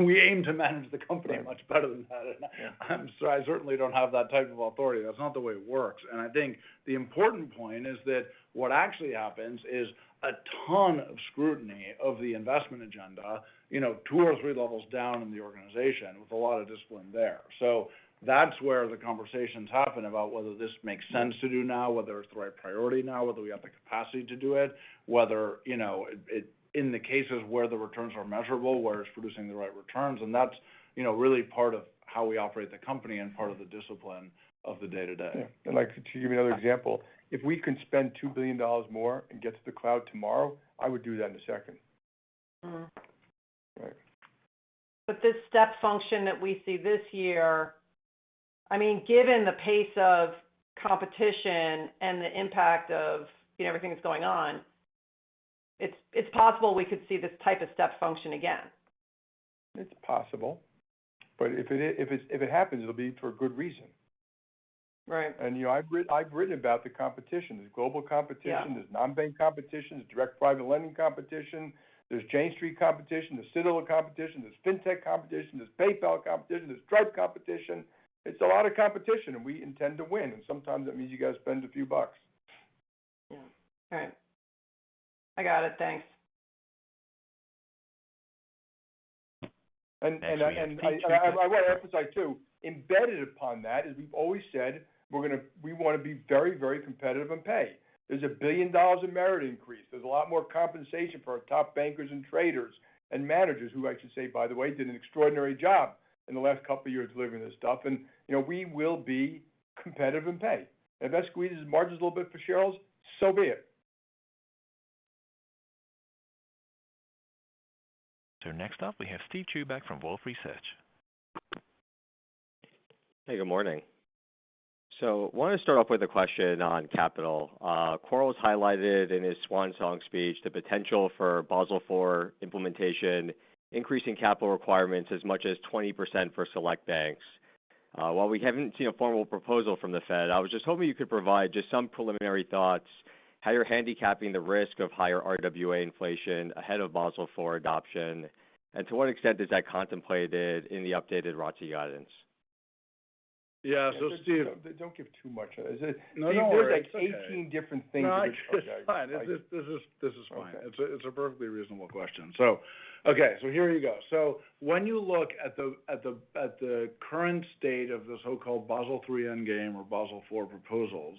aim to manage the company much better than that. I certainly don't have that type of authority. That's not the way it works. I think the important point is that what actually happens is a ton of scrutiny of the investment agenda, you know, two or three levels down in the organization with a lot of discipline there.T That's where the conversations happen about whether this makes sense to do now, whether it's the right priority now, whether we have the capacity to do it, whether, you know, it in the cases where the returns are measurable, where it's producing the right returns, and that's, you know, really part of how we operate the company and part of the discipline of the day-to-day. Yeah. I'd like to give you another example. If we can spend $2 billion more and get to the cloud tomorrow, I would do that in a second. Mm-hmm. Right. This step function that we see this year, I mean, given the pace of competition and the impact of, you know, everything that's going on, it's possible we could see this type of step function again. It's possible. If it happens, it'll be for a good reason. Right. You know, I've written about the competition. There's global competition. Yeah. There's non-bank competition, there's direct private lending competition, there's Jane Street competition, there's Citadel competition, there's Fintech competition, there's PayPal competition, there's Stripe competition. It's a lot of competition and we intend to win. Sometimes that means you got to spend a few bucks. Yeah. All right. I got it. Thanks. I want to emphasize too, embedded upon that, as we've always said, we wanna be very, very competitive in pay. There's $1 billion in merit increase. There's a lot more compensation for our top bankers and traders and managers, who I should say, by the way, did an extraordinary job in the last couple of years delivering this stuff. You know, we will be competitive in pay. If that squeezes margins a little bit for shareholders, so be it. Next up, we have Steve Chubak from Wolfe Research. Hey, good morning. Wanted to start off with a question on capital. Quarles has highlighted in his swan song speech the potential for Basel IV implementation, increasing capital requirements as much as 20% for select banks. While we haven't seen a formal proposal from the Fed, I was just hoping you could provide just some preliminary thoughts, how you're handicapping the risk of higher RWA inflation ahead of Basel IV adoption, and to what extent is that contemplated in the updated ROTCE guidance? Yeah. Steve Don't give too much. Is it No, no. It's okay. There's like 18 different things- No, it's just fine. This is fine. It's a perfectly reasonable question. Okay, here you go. When you look at the current state of the so-called Basel III Endgame or Basel IV proposals,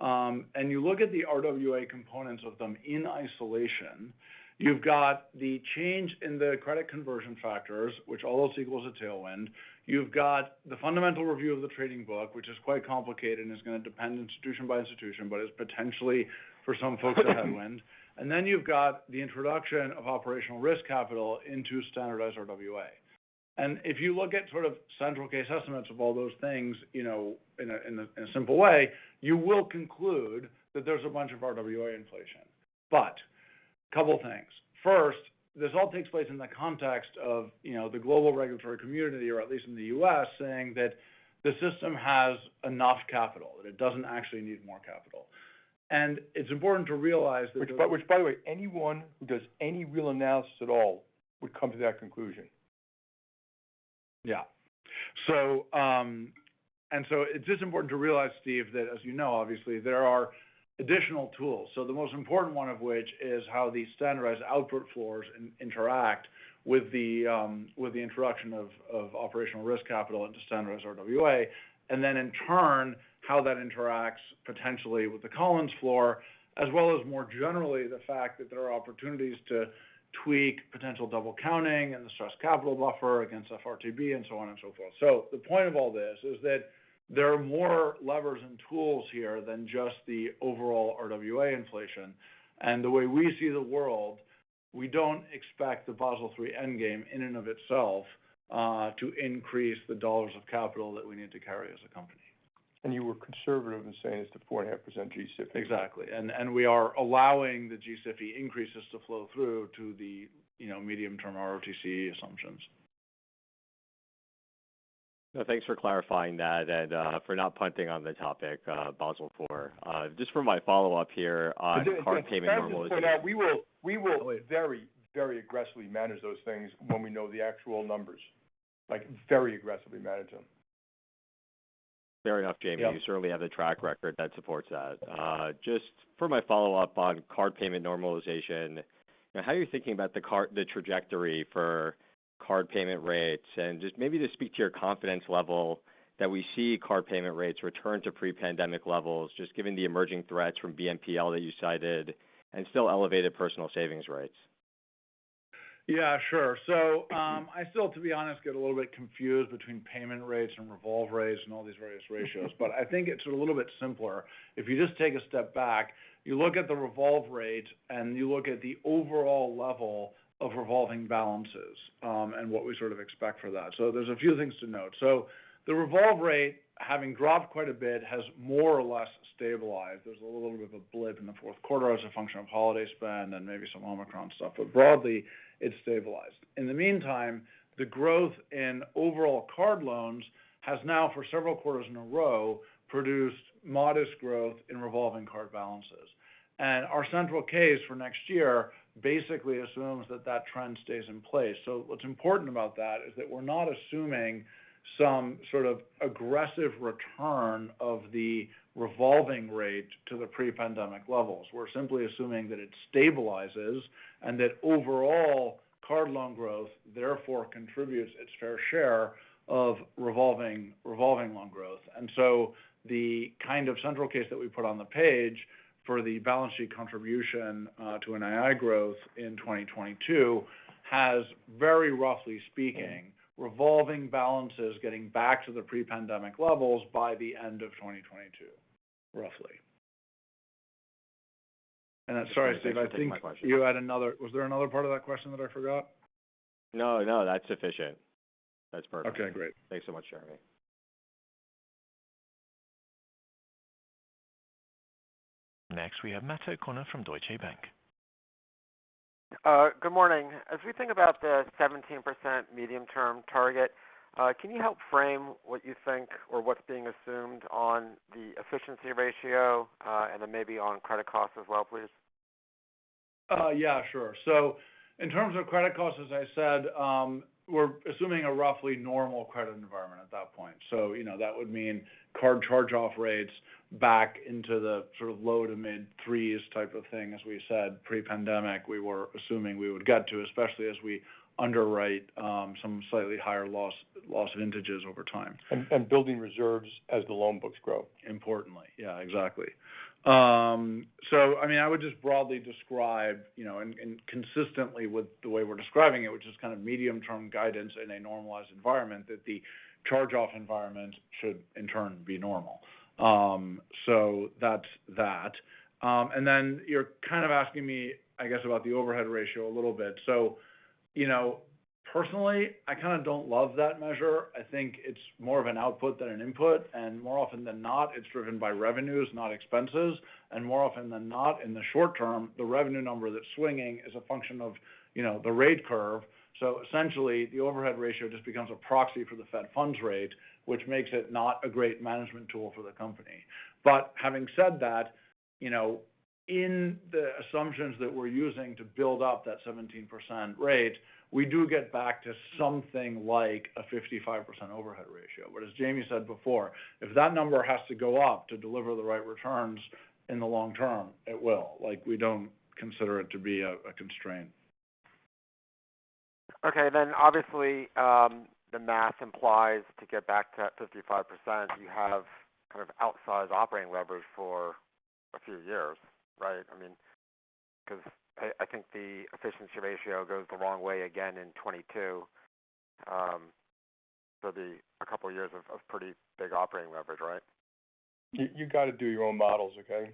and you look at the RWA components of them in isolation, you've got the change in the credit conversion factors, which almost equals a tailwind. You've got the fundamental review of the trading book, which is quite complicated and is gonna depend institution by institution, but is potentially for some folks a headwind. Then you've got the introduction of operational risk capital into standardized RWA. If you look at sort of central case estimates of all those things, you know, in a simple way, you will conclude that there's a bunch of RWA inflation. Couple of things. First, this all takes place in the context of, you know, the global regulatory community, or at least in the U.S., saying that the system has enough capital, that it doesn't actually need more capital. It's important to realize that. Which by the way, anyone who does any real analysis at all would come to that conclusion. Yeah. It's just important to realize, Steve, that as you know, obviously, there are additional tools. The most important one of which is how the standardized output floors interact with the, with the introduction of operational risk capital into standardized RWA. Then in turn how that interacts potentially with the Collins floor, as well as more generally the fact that there are opportunities to tweak potential double counting and the stress capital buffer against FRTB and so on and so forth. The point of all this is that there are more levers and tools here than just the overall RWA inflation. The way we see the world, we don't expect the Basel III Endgame in and of itself to increase the dollars of capital that we need to carry as a company. You were conservative in saying it's the 4.5% G-SIB. Exactly. We are allowing the GCFE increases to flow through to the, you know, medium-term ROTCE assumptions. No, thanks for clarifying that and for not punting on the topic, Basel IV. Just for my follow-up here on card payment normalization- Just to point out, we will very, very aggressively manage those things when we know the actual numbers, like very aggressively manage them. Fair enough, Jamie. Yeah. You certainly have the track record that supports that. Just for my follow-up on card payment normalization, how are you thinking about the trajectory for card payment rates? Just maybe speak to your confidence level that we see card payment rates return to pre-pandemic levels, just given the emerging threats from BNPL that you cited and still elevated personal savings rates. Yeah, sure. I still, to be honest, get a little bit confused between payment rates and revolve rates and all these various ratios. I think it's a little bit simpler. If you just take a step back, you look at the revolve rate, and you look at the overall level of revolving balances, and what we sort of expect for that. There's a few things to note. The revolve rate, having dropped quite a bit, has more or less stabilized. There's a little bit of a blip in the fourth quarter as a function of holiday spend and maybe some Omicron stuff. Broadly, it's stabilized. In the meantime, the growth in overall card loans has now, for several quarters in a row, produced modest growth in revolving card balances. Our central case for next year basically assumes that that trend stays in place. What's important about that is that we're not assuming some sort of aggressive return of the revolving rate to the pre-pandemic levels. We're simply assuming that it stabilizes and that overall card loan growth therefore contributes its fair share of revolving loan growth. The kind of central case that we put on the page for the balance sheet contribution to NII growth in 2022 has, very roughly speaking, revolving balances getting back to the pre-pandemic levels by the end of 2022, roughly. I'm sorry, Steve. I think you had another. Was there another part of that question that I forgot? No, no. That's sufficient. That's perfect. Okay, great. Thanks so much, Jeremy. Next, we have Matt O'Connor from Deutsche Bank. Good morning. As we think about the 17% medium-term target, can you help frame what you think or what's being assumed on the efficiency ratio, and then maybe on credit costs as well, please? Yeah, sure. In terms of credit costs, as I said, we're assuming a roughly normal credit environment at that point. You know, that would mean card charge-off rates back into the sort of low- to mid-3s type of thing. As we said, pre-pandemic, we were assuming we would get to, especially as we underwrite, some slightly higher loss vintages over time. building reserves as the loan books grow. Importantly. Yeah, exactly. I mean, I would just broadly describe, you know, and consistently with the way we're describing it, which is kind of medium-term guidance in a normalized environment, that the charge-off environment should in turn be normal. That's that. You're kind of asking me, I guess, about the overhead ratio a little bit. You know, personally, I kinda don't love that measure. I think it's more of an output than an input. More often than not, it's driven by revenues, not expenses. More often than not, in the short term, the revenue number that's swinging is a function of, you know, the rate curve. Essentially, the overhead ratio just becomes a proxy for the Fed funds rate, which makes it not a great management tool for the company. Having said that, you know, in the assumptions that we're using to build up that 17% rate, we do get back to something like a 55% overhead ratio. As Jamie said before, if that number has to go up to deliver the right returns in the long term, it will. Like, we don't consider it to be a constraint. Okay. Obviously, the math implies to get back to that 55%, you have kind of outsized operating leverage for a few years, right? I mean, 'cause I think the efficiency ratio goes the wrong way again in 2022. So a couple of years of pretty big operating leverage, right? You got to do your own models, okay?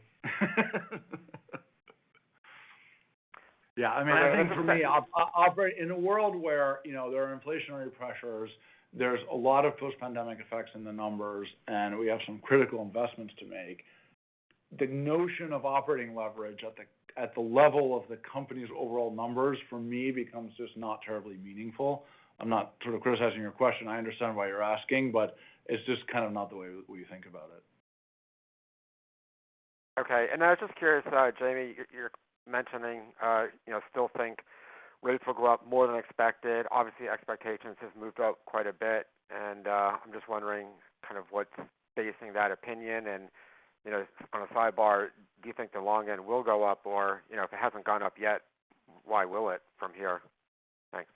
Yeah. I mean, I think for me, in a world where, you know, there are inflationary pressures, there's a lot of post-pandemic effects in the numbers, and we have some critical investments to make. The notion of operating leverage at the level of the company's overall numbers for me becomes just not terribly meaningful. I'm not sort of criticizing your question. I understand why you're asking, but it's just kind of not the way we think about it. Okay. I was just curious, Jamie, you're mentioning, you know, still think rates will go up more than expected. Obviously, expectations have moved up quite a bit, and I'm just wondering kind of what's the basis for that opinion. You know, on a sidebar, do you think the long end will go up or, you know, if it hasn't gone up yet, why will it from here? Thanks.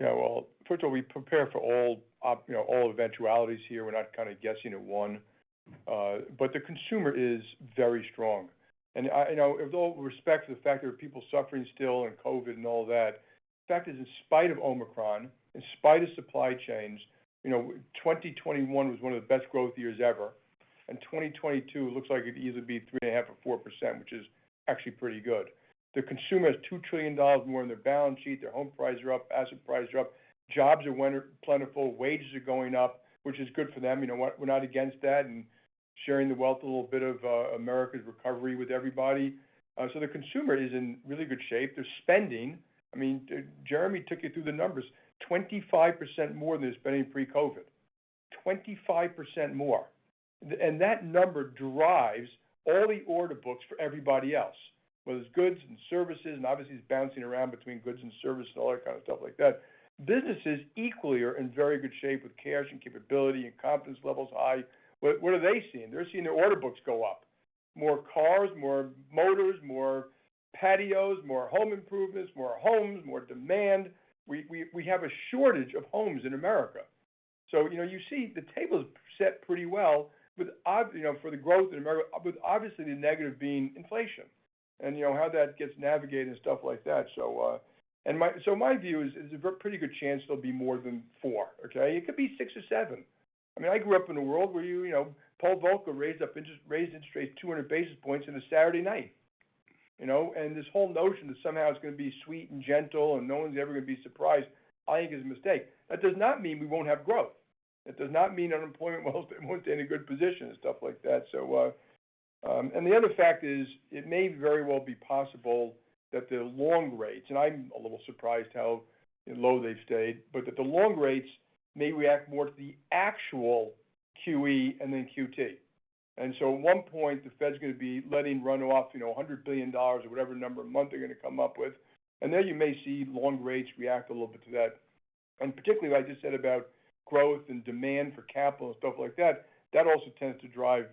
Yeah, well, first of all, we prepare for all, you know, all eventualities here. We're not kind of guessing at one. The consumer is very strong. I know with all respect to the fact there are people suffering still and COVID and all that, the fact is, in spite of Omicron, in spite of supply chains, you know, 2021 was one of the best growth years ever. 2022 looks like it'll either be 3.5%-4%, which is actually pretty good. The consumer has $2 trillion more in their balance sheet, their home prices are up, asset prices are up, jobs are plentiful, wages are going up, which is good for them. You know what? We're not against that, and sharing the wealth, a little bit of America's recovery with everybody. The consumer is in really good shape. They're spending. I mean, Jeremy took you through the numbers. 25% more than they were spending pre-COVID. 25% more. And that number drives early order books for everybody else, whether it's goods and services, and obviously it's bouncing around between goods and services and other kind of stuff like that. Businesses equally are in very good shape with cash and capability and confidence levels high. What are they seeing? They're seeing their order books go up. More cars, more motors, more patios, more home improvements, more homes, more demand. We have a shortage of homes in America. You know, you see the table's set pretty well, you know, for the growth in America, with obviously the negative being inflation. You know, how that gets navigated and stuff like that. My view is a very good chance there'll be more than 4%, okay? It could be 6% or 7%. I mean, I grew up in a world where you know, Paul Volcker raised interest rates 200 basis points on a Saturday night, you know? This whole notion that somehow it's gonna be sweet and gentle and no one's ever gonna be surprised, I think is a mistake. That does not mean we won't have growth. That does not mean unemployment won't stay in a good position and stuff like that. The other fact is it may very well be possible that the long rates, and I'm a little surprised how low they've stayed, but that the long rates may react more to the actual QE and then QT. At one point, the Fed's gonna be letting run off, you know, $100 billion or whatever number a month they're gonna come up with. There you may see long rates react a little bit to that. Particularly what I just said about growth and demand for capital and stuff like that also tends to drive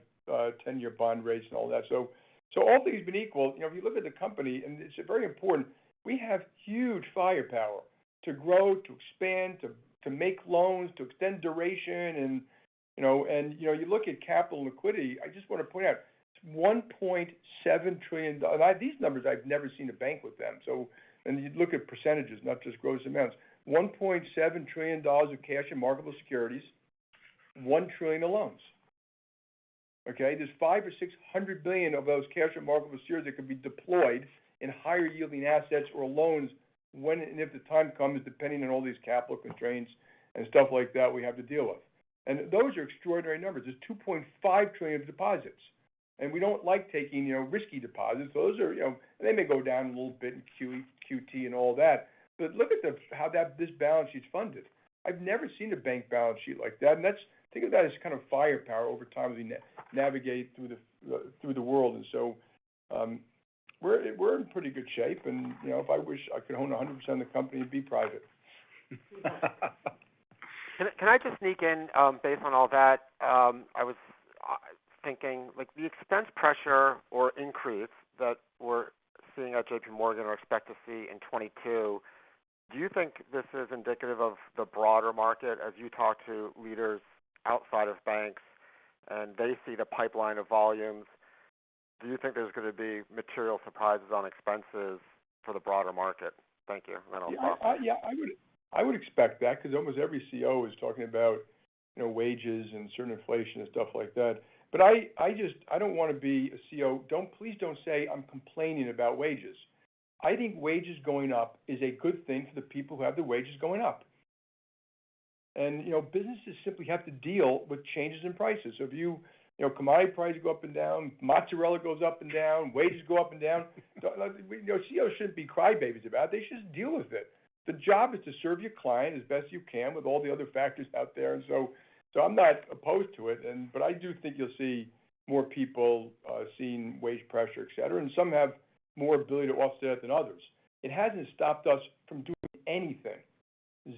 ten-year bond rates and all that. So all things being equal, you know, if you look at the company, and this is very important, we have huge firepower to grow, to expand, to make loans, to extend duration and, you know. You know, you look at capital liquidity, I just want to point out, $1.7 trillion, these numbers, I've never seen a bank with them. You look at percentages, not just gross amounts. $1.7 trillion of cash and marketable securities, $1 trillion of loans. Okay? There's $500 billion-$600 billion of those cash and marketable securities that could be deployed in higher yielding assets or loans when and if the time comes, depending on all these capital constraints and stuff like that we have to deal with. Those are extraordinary numbers. There's $2.5 trillion of deposits. We don't like taking, you know, risky deposits. Those are, you know, they may go down a little bit in QE, QT and all that. Look at how that's funded. I've never seen a bank balance sheet like that. That's. Think of that as kind of firepower over time as we navigate through the world. We're in pretty good shape. You know, if I wished, I could own 100% of the company and be private. Can I just sneak in, based on all that? I was thinking, like the expense pressure or increase that we're seeing at JPMorgan or expect to see in 2022, do you think this is indicative of the broader market as you talk to leaders outside of banks and they see the pipeline of volumes? Do you think there's gonna be material surprises on expenses for the broader market? Thank you. I'll pass it on. Yeah. I would expect that because almost every CEO is talking about, you know, wages and current inflation and stuff like that. I just don't want to be a CEO. Please don't say I'm complaining about wages. I think wages going up is a good thing for the people who have their wages going up. You know, businesses simply have to deal with changes in prices. You know, commodity prices go up and down, mozzarella goes up and down, wages go up and down. You know, CEOs shouldn't be crybabies about it. They should just deal with it. The job is to serve your client as best you can with all the other factors out there. I'm not opposed to it, but I do think you'll see more people seeing wage pressure, et cetera. Some have more ability to offset it than others. It hasn't stopped us from doing anything.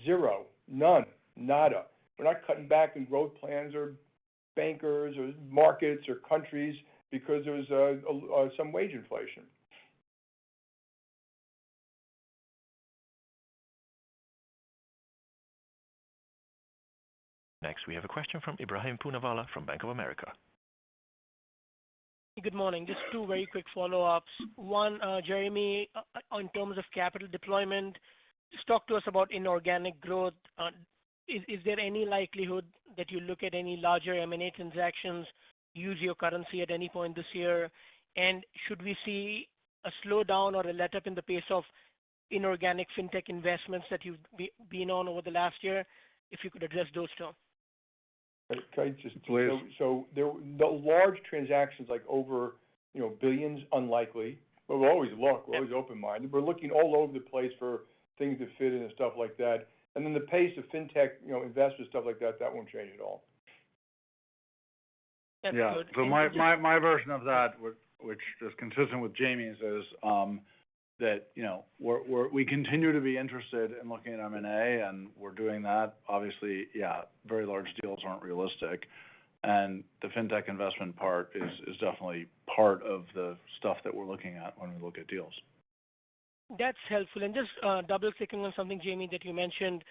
Zero, none, nada. We're not cutting back in growth plans or bankers or markets or countries because there's some wage inflation. Next, we have a question from Ebrahim Poonawala from Bank of America. Good morning. Just two very quick follow-ups. One, Jeremy, in terms of capital deployment, just talk to us about inorganic growth. Is there any likelihood that you look at any larger M&A transactions, use your currency at any point this year? And should we see a slowdown or a letup in the pace of inorganic fintech investments that you've been on over the last year? If you could address those two. Can I just- Please. The large transactions like over, you know, billions, unlikely. We'll always look. We're always open-minded. We're looking all over the place for things that fit in and stuff like that. The pace of fintech, you know, investors, stuff like that won't change at all. That's good. Thank you. Yeah. My version of that, which is consistent with Jamie's is, that, you know, we continue to be interested in looking at M&A, and we're doing that. Obviously, yeah, very large deals aren't realistic. The Fintech investment part is definitely part of the stuff that we're looking at when we look at deals. That's helpful. Just double-clicking on something, Jamie, that you mentioned.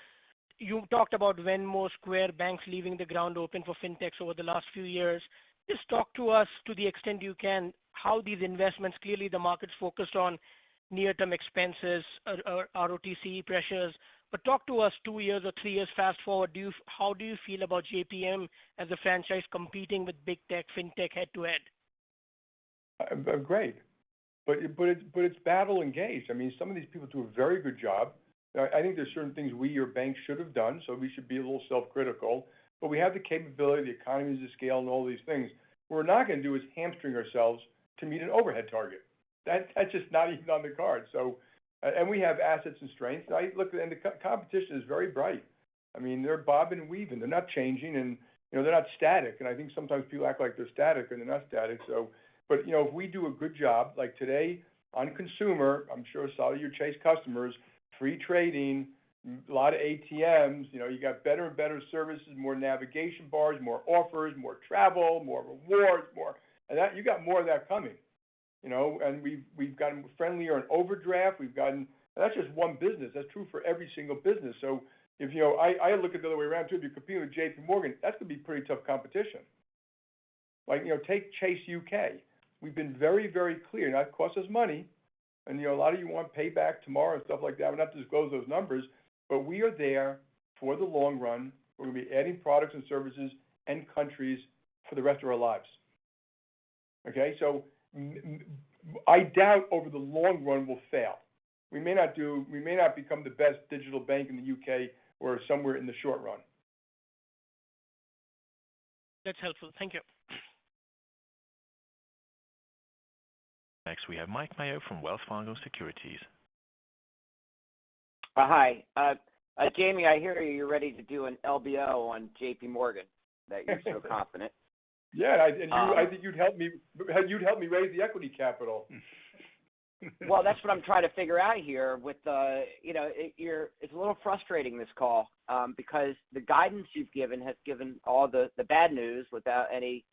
You talked about Venmo, Square, banks leaving the ground open for fintechs over the last few years. Just talk to us to the extent you can, how these investments clearly the market's focused on near-term expenses or ROTCE pressures. Talk to us two years or three years fast-forward, how do you feel about JPM as a franchise competing with big tech, Fintech head-to-head? Great. It's battle engaged. I mean, some of these people do a very good job. I think there's certain things we or banks should have done, so we should be a little self-critical. We have the capability, the economies of scale and all these things. What we're not gonna do is hamstring ourselves to meet an overhead target. That's just not even on the cards. We have assets and strengths. The competition is very bright. I mean, they're bobbing and weaving. They're not changing and, you know, they're not static. I think sometimes people act like they're static, and they're not static. You know, if we do a good job, like today on Consumer, I'm sure you saw your Chase customers, free trading, a lot of ATMs, you know, you got better and better services, more navigation bars, more offers, more travel, more rewards, more. You got more of that coming, you know. We've gotten friendlier on overdraft. That's just one business. That's true for every single business. If you know, I look at the other way around too. If you compete with JPMorgan, that's gonna be pretty tough competition. Like, you know, take Chase UK. We've been very, very clear, and that costs us money. You know, a lot of you want payback tomorrow and stuff like that. We don't have to disclose those numbers. We are there for the long run. We're gonna be adding products and services and countries for the rest of our lives. Okay? I doubt over the long run we'll fail. We may not become the best digital bank in the U.K. or somewhere in the short run. That's helpful. Thank you. Next, we have Mike Mayo from Wells Fargo Securities. Hi. Jamie, I hear you're ready to do an LBO on JPMorgan, that you're so confident. Yeah. Um- You, I think you'd help me raise the equity capital. Well, that's what I'm trying to figure out here. You know, it's a little frustrating this call because the guidance you've given has given all the bad news without any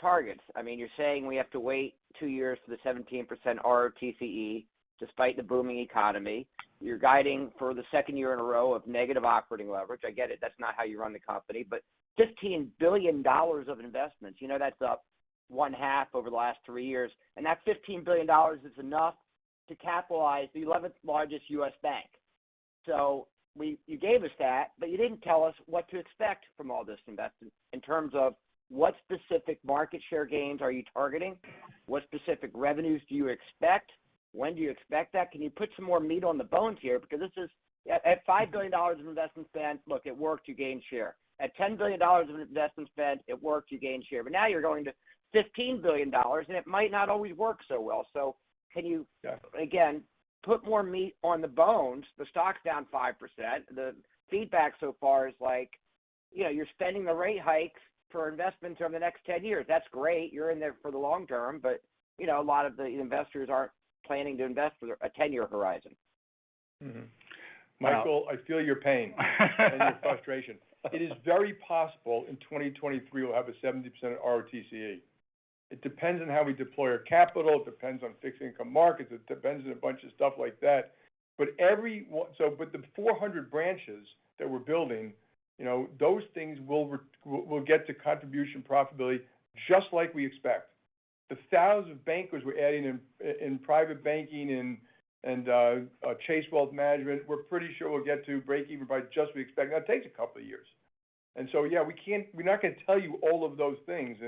targets. I mean, you're saying we have to wait two years for the 17% ROTCE despite the booming economy. You're guiding for the second year in a row of negative operating leverage. I get it. That's not how you run the company. $15 billion of investments, you know that's up one-half over the last three years. And that $15 billion is enough to capitalize the 11th largest U.S. bank. You gave us that, but you didn't tell us what to expect from all this investment in terms of what specific market share gains are you targeting? What specific revenues do you expect? When do you expect that? Can you put some more meat on the bones here? Because this is at $5 billion of investment spent, look, it worked, you gained share. At $10 billion of investment spent, it worked, you gained share. But now you're going to $15 billion, and it might not always work so well. So can you Yeah. Put more meat on the bones. The stock's down 5%. The feedback so far is like, you know, you're spending through the rate hikes for investments over the next 10 years. That's great. You're in there for the long term, but, you know, a lot of the investors aren't planning to invest for a 10-year horizon. Mm-hmm. Now- Michael, I feel your pain and your frustration. It is very possible in 2023 we'll have a 70% ROTCE. It depends on how we deploy our capital, it depends on fixed income markets, it depends on a bunch of stuff like that. The 400 branches that we're building, you know, those things will get to contribution profitability just like we expect. The thousands of bankers we're adding in private banking and Chase Wealth Management, we're pretty sure we'll get to breakeven by just we expect. That takes a couple of years. Yeah, we're not gonna tell you all of those things.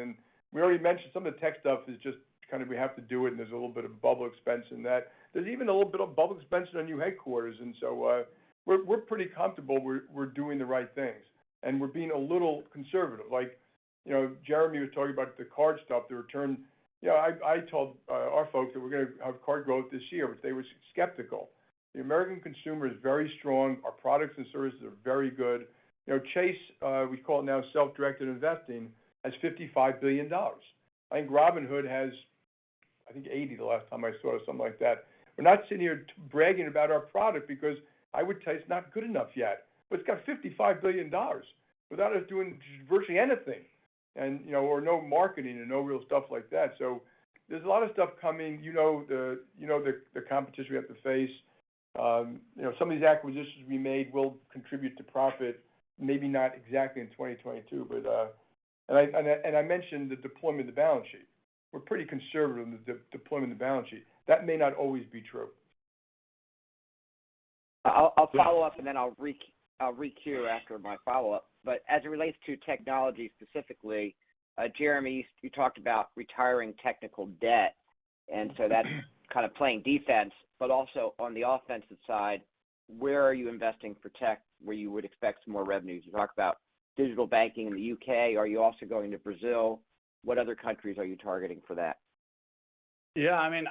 We already mentioned some of the tech stuff is just kind of we have to do it, and there's a little bit of bubble expense in that. There's even a little bit of capital expense on new headquarters, so we're pretty comfortable we're doing the right things, and we're being a little conservative. Like, you know, Jeremy was talking about the card stuff, the return. You know, I told our folks that we're gonna have card growth this year, but they were skeptical. The American consumer is very strong. Our products and services are very good. You know, Chase, we call it now Self-Directed Investing, has $55 billion. I think Robinhood has, I think, $80 billion the last time I saw or something like that. We're not sitting here bragging about our product because I would tell you it's not good enough yet. It's got $55 billion without us doing virtually anything and, you know, or no marketing and no real stuff like that. There's a lot of stuff coming, the competition we have to face. Some of these acquisitions we made will contribute to profit, maybe not exactly in 2022, but I mentioned the deployment of the balance sheet. We're pretty conservative in the deployment of the balance sheet. That may not always be true. I'll follow up, and then I'll re-queue after my follow-up. As it relates to technology specifically, Jeremy, you talked about retiring technical debt, and so that's kind of playing defense. Also on the offensive side, where are you investing for tech where you would expect some more revenue? You talk about digital banking in the U.K. Are you also going to Brazil? What other countries are you targeting for that? Yeah. I mean,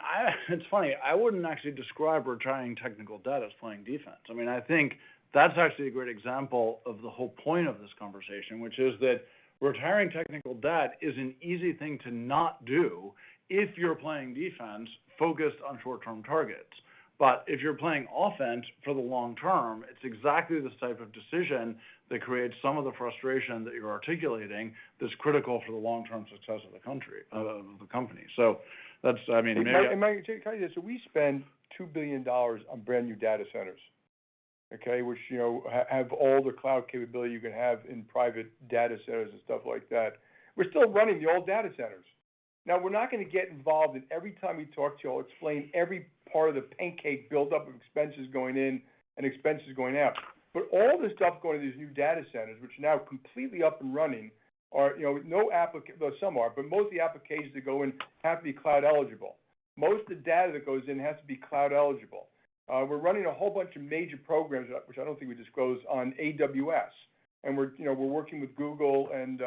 It's funny. I wouldn't actually describe retiring technical debt as playing defense. I mean, I think that's actually a great example of the whole point of this conversation, which is that retiring technical debt is an easy thing to not do if you're playing defense focused on short-term targets. If you're playing offense for the long term, it's exactly this type of decision that creates some of the frustration that you're articulating that's critical for the long-term success of the country, of the company. That's, I mean. Mike, can I tell you this? We spend $2 billion on brand-new data centers. Okay? Which, you know, have all the cloud capability you can have in private data centers and stuff like that. We're still running the old data centers. Now, we're not gonna get involved in every time we talk to you, I'll explain every part of the pancake buildup of expenses going in and expenses going out. But all the stuff going to these new data centers, which are now completely up and running, you know, well, some are, but most of the applications that go in have to be cloud eligible. Most of the data that goes in has to be cloud eligible. We're running a whole bunch of major programs, which I don't think we disclose, on AWS, and we're, you know, we're working with Google and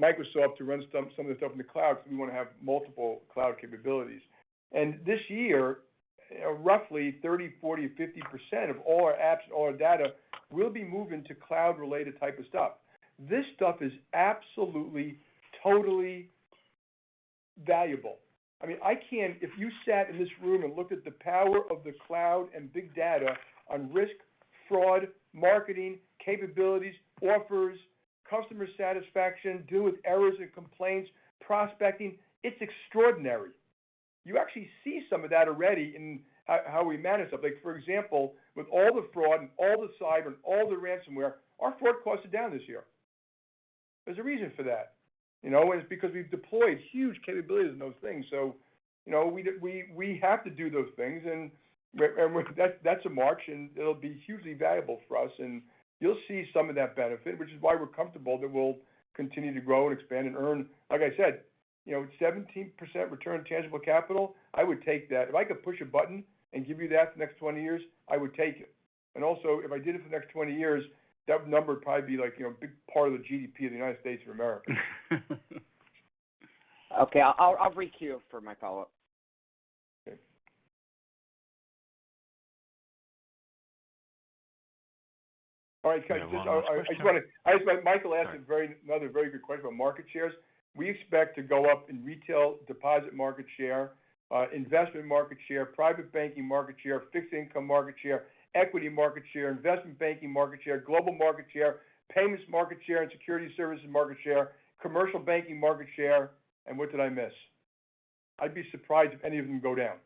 Microsoft to run some of the stuff in the cloud because we want to have multiple cloud capabilities. This year, roughly 30%, 40%, 50% of all our apps, all our data will be moving to cloud-related type of stuff. This stuff is absolutely totally valuable. I mean, I can't. If you sat in this room and looked at the power of the cloud and big data on risk, fraud, marketing, capabilities, offers, customer satisfaction, dealing with errors and complaints, prospecting, it's extraordinary. You actually see some of that already in how we manage stuff. Like, for example, with all the fraud and all the cyber and all the ransomware, our fraud costs are down this year. There's a reason for that, you know, and it's because we've deployed huge capabilities in those things. You know, we have to do those things, and that's a march, and it'll be hugely valuable for us. You'll see some of that benefit, which is why we're comfortable that we'll continue to grow and expand and earn. Like I said, you know, 17% return on tangible capital, I would take that. If I could push a button and give you that for the next 20 years, I would take it. If I did it for the next 20 years, that number would probably be like, you know, a big part of the GDP of the United States of America. Okay. I'll requeue for my follow-up. Okay. All right. I just wanna. Michael asked another very good question about market shares. We expect to go up in retail deposit market share, investment market share, private banking market share, fixed income market share, equity market share, investment banking market share, global market share, payments market share, and securities services market share, commercial banking market share. What did I miss? I'd be surprised if any of them go down.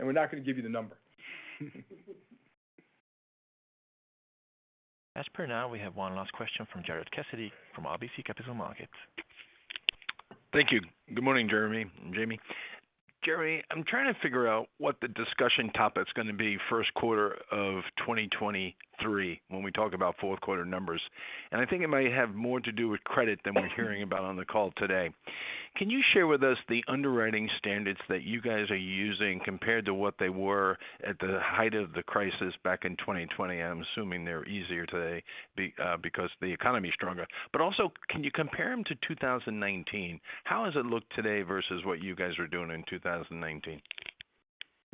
We're not going to give you the number. As of now, we have one last question from Gerard Cassidy from RBC Capital Markets. Thank you. Good morning, Jeremy. Jamie. Jeremy, I'm trying to figure out what the discussion topic's gonna be first quarter of 2023 when we talk about fourth quarter numbers. I think it might have more to do with credit than we're hearing about on the call today. Can you share with us the underwriting standards that you guys are using compared to what they were at the height of the crisis back in 2020? I'm assuming they're easier today because the economy is stronger. But also, can you compare them to 2019? How does it look today versus what you guys were doing in 2019?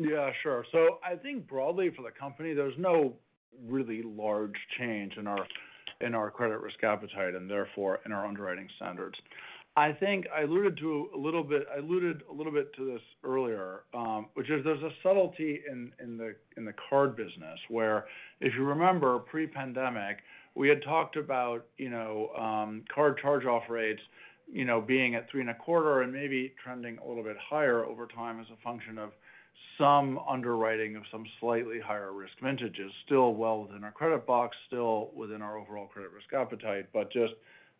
Yeah, sure. I think broadly for the company, there's no really large change in our credit risk appetite and therefore in our underwriting standards. I think I alluded a little bit to this earlier, which is there's a subtlety in the card business, where if you remember pre-pandemic, we had talked about, you know, card charge-off rates, you know, being at 3.25% and maybe trending a little bit higher over time as a function of some underwriting of some slightly higher risk vintages, still well within our credit box, still within our overall credit risk appetite, but just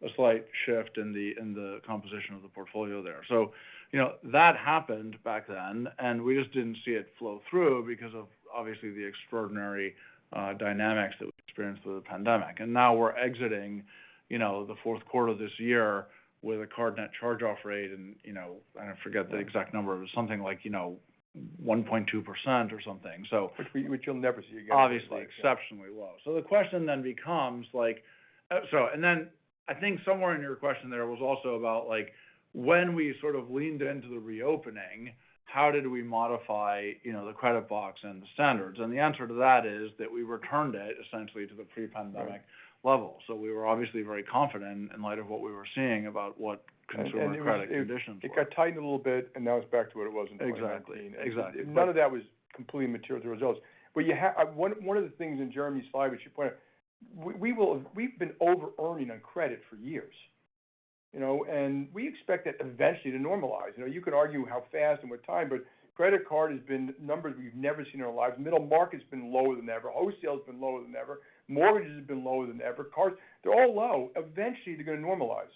a slight shift in the composition of the portfolio there. You know, that happened back then, and we just didn't see it flow through because of obviously the extraordinary dynamics that we experienced with the pandemic. Now we're exiting, you know, the fourth quarter of this year with a card net charge-off rate, you know, I forget the exact number. It was something like, you know, 1.2% or something so. Which you'll never see again. Obviously, exceptionally low. The question then becomes like so and then I think somewhere in your question there was also about like when we sort of leaned into the reopening, how did we modify, you know, the credit box and the standards? The answer to that is that we returned it essentially to the pre-pandemic level. We were obviously very confident in light of what we were seeing about what consumer credit conditions were. It got tightened a little bit, and now it's back to what it was in 2019. Exactly. Exactly. None of that was completely material to the results. You have. One of the things in Jeremy's slide, which you pointed out, we've been overearning on credit for years, you know, and we expect it eventually to normalize. You know, you could argue how fast and what time, but credit card has been numbers we've never seen in our lives. Middle market's been lower than ever. Wholesale's been lower than ever. Mortgages have been lower than ever. Cards, they're all low. Eventually, they're going to normalize.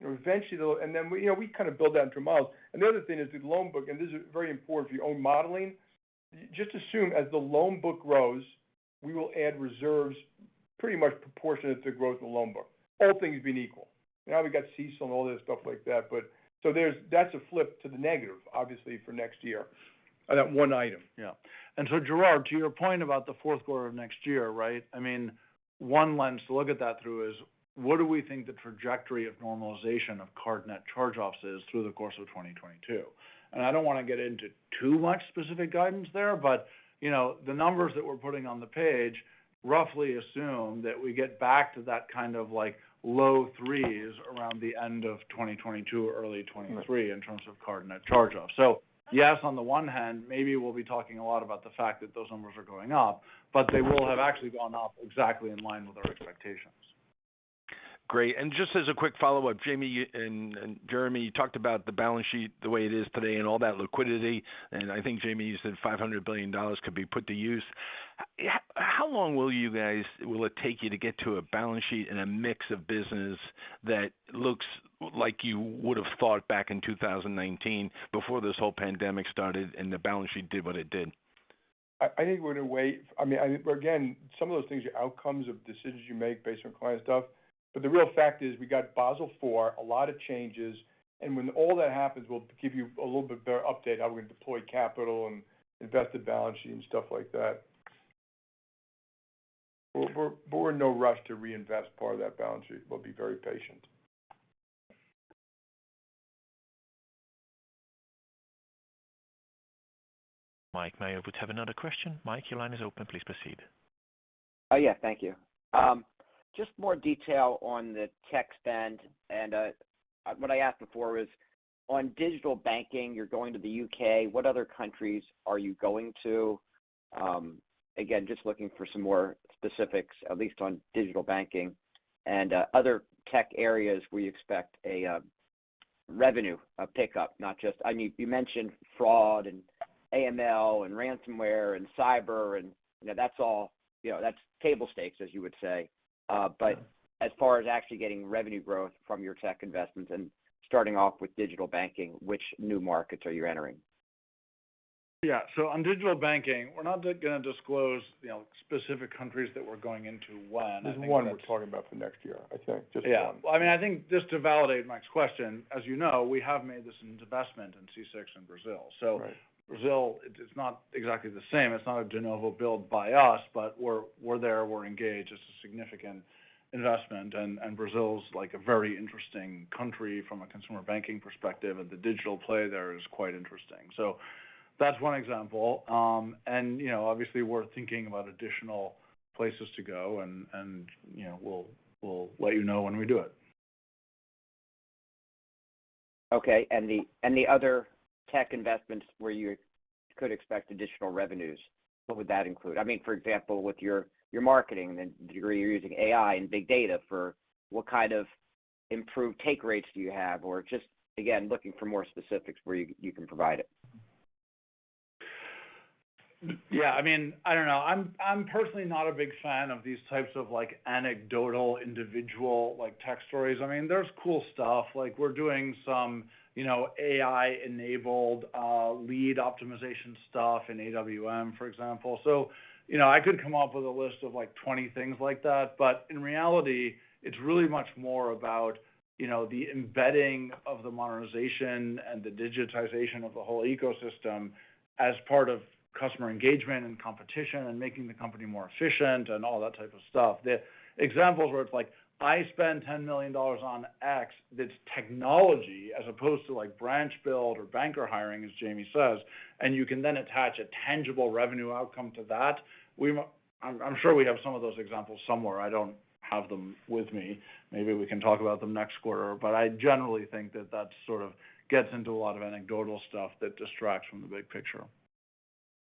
You know, eventually they'll, and then we, you know, we kind of build that into our models. The other thing is the loan book, and this is very important if you're modeling, just assume as the loan book grows, we will add reserves pretty much proportionate to growth of the loan book, all things being equal. Now we've got CECL and all this stuff like that, but so that's a flip to the negative, obviously, for next year on that one item. Yeah. Gerard, to your point about the fourth quarter of next year, right? I mean, one lens to look at that through is what do we think the trajectory of normalization of card net charge-offs is through the course of 2022. I don't want to get into too much specific guidance there, but, you know, the numbers that we're putting on the page roughly assume that we get back to that kind of like low threes around the end of 2022 or early 2023 in terms of card net charge-offs. Yes, on the one hand, maybe we'll be talking a lot about the fact that those numbers are going up, but they will have actually gone up exactly in line with our expectations. Great. Just as a quick follow-up, Jamie and Jeremy, you talked about the balance sheet, the way it is today and all that liquidity. I think Jamie, you said $500 billion could be put to use. How long will it take you to get to a balance sheet and a mix of business that looks like you would have thought back in 2019 before this whole pandemic started and the balance sheet did what it did? I think we're going to wait. I mean, I think we're again, some of those things are outcomes of decisions you make based on client stuff. But the real fact is we got Basel IV, a lot of changes, and when all that happens, we'll give you a little bit better update how we're going to deploy capital and invest the balance sheet and stuff like that. We're in no rush to reinvest part of that balance sheet. We'll be very patient. Mike Mayo, if you have another question. Mike, your line is open. Please proceed. Yeah. Thank you. Just more detail on the tech spend. What I asked before is on digital banking, you're going to the U.K. What other countries are you going to? Again, just looking for some more specifics, at least on digital banking and other tech areas we expect a revenue, a pickup, not just. I mean, you mentioned fraud and AML and ransomware and cyber, and, you know, that's all, you know, that's table stakes, as you would say. As far as actually getting revenue growth from your tech investments and starting off with digital banking, which new markets are you entering? Yeah. On digital banking, we're not going to disclose, you know, specific countries that we're going into when There's one that we're talking about for next year, I think. Just one. Yeah. I mean, I think just to validate Mike's question, as you know, we have made this investment in C6 Bank in Brazil. Right. Brazil is not exactly the same. It's not a de novo build by us, but we're there, we're engaged. It's a significant investment. Brazil is like a very interesting country from a consumer banking perspective, and the digital play there is quite interesting. That's one example. You know, obviously we're thinking about additional places to go, and you know, we'll let you know when we do it. Okay. The other tech investments where you could expect additional revenues, what would that include? I mean, for example, with your marketing and you're using AI and big data for what kind of improved take rates do you have or just again, looking for more specifics where you can provide it. Yeah. I mean, I don't know. I'm personally not a big fan of these types of like anecdotal individual like tech stories. I mean, there's cool stuff like we're doing some, you know, AI-enabled lead optimization stuff in AWM, for example. So, you know, I could come up with a list of like 20 things like that. But in reality, it's really much more about, you know, the embedding of the modernization and the digitization of the whole ecosystem as part of customer engagement and competition and making the company more efficient and all that type of stuff. The examples where it's like, I spend $10 million on X, it's technology as opposed to like branch build or banker hiring, as Jamie says, and you can then attach a tangible revenue outcome to that. I'm sure we have some of those examples somewhere. I don't have them with me. Maybe we can talk about them next quarter. I generally think that that sort of gets into a lot of anecdotal stuff that distracts from the big picture.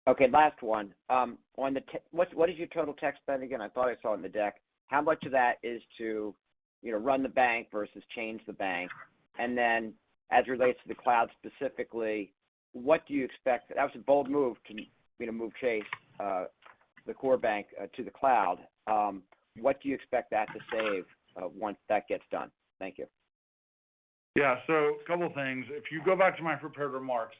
Okay, last one. On the tech, what is your total tech spend again? I thought I saw in the deck. How much of that is to, you know, run the bank versus change the bank? As it relates to the cloud specifically, what do you expect? That was a bold move to, you know, move Chase, the core bank, to the cloud. What do you expect that to save, once that gets done? Thank you. Yeah. A couple of things. If you go back to my prepared remarks.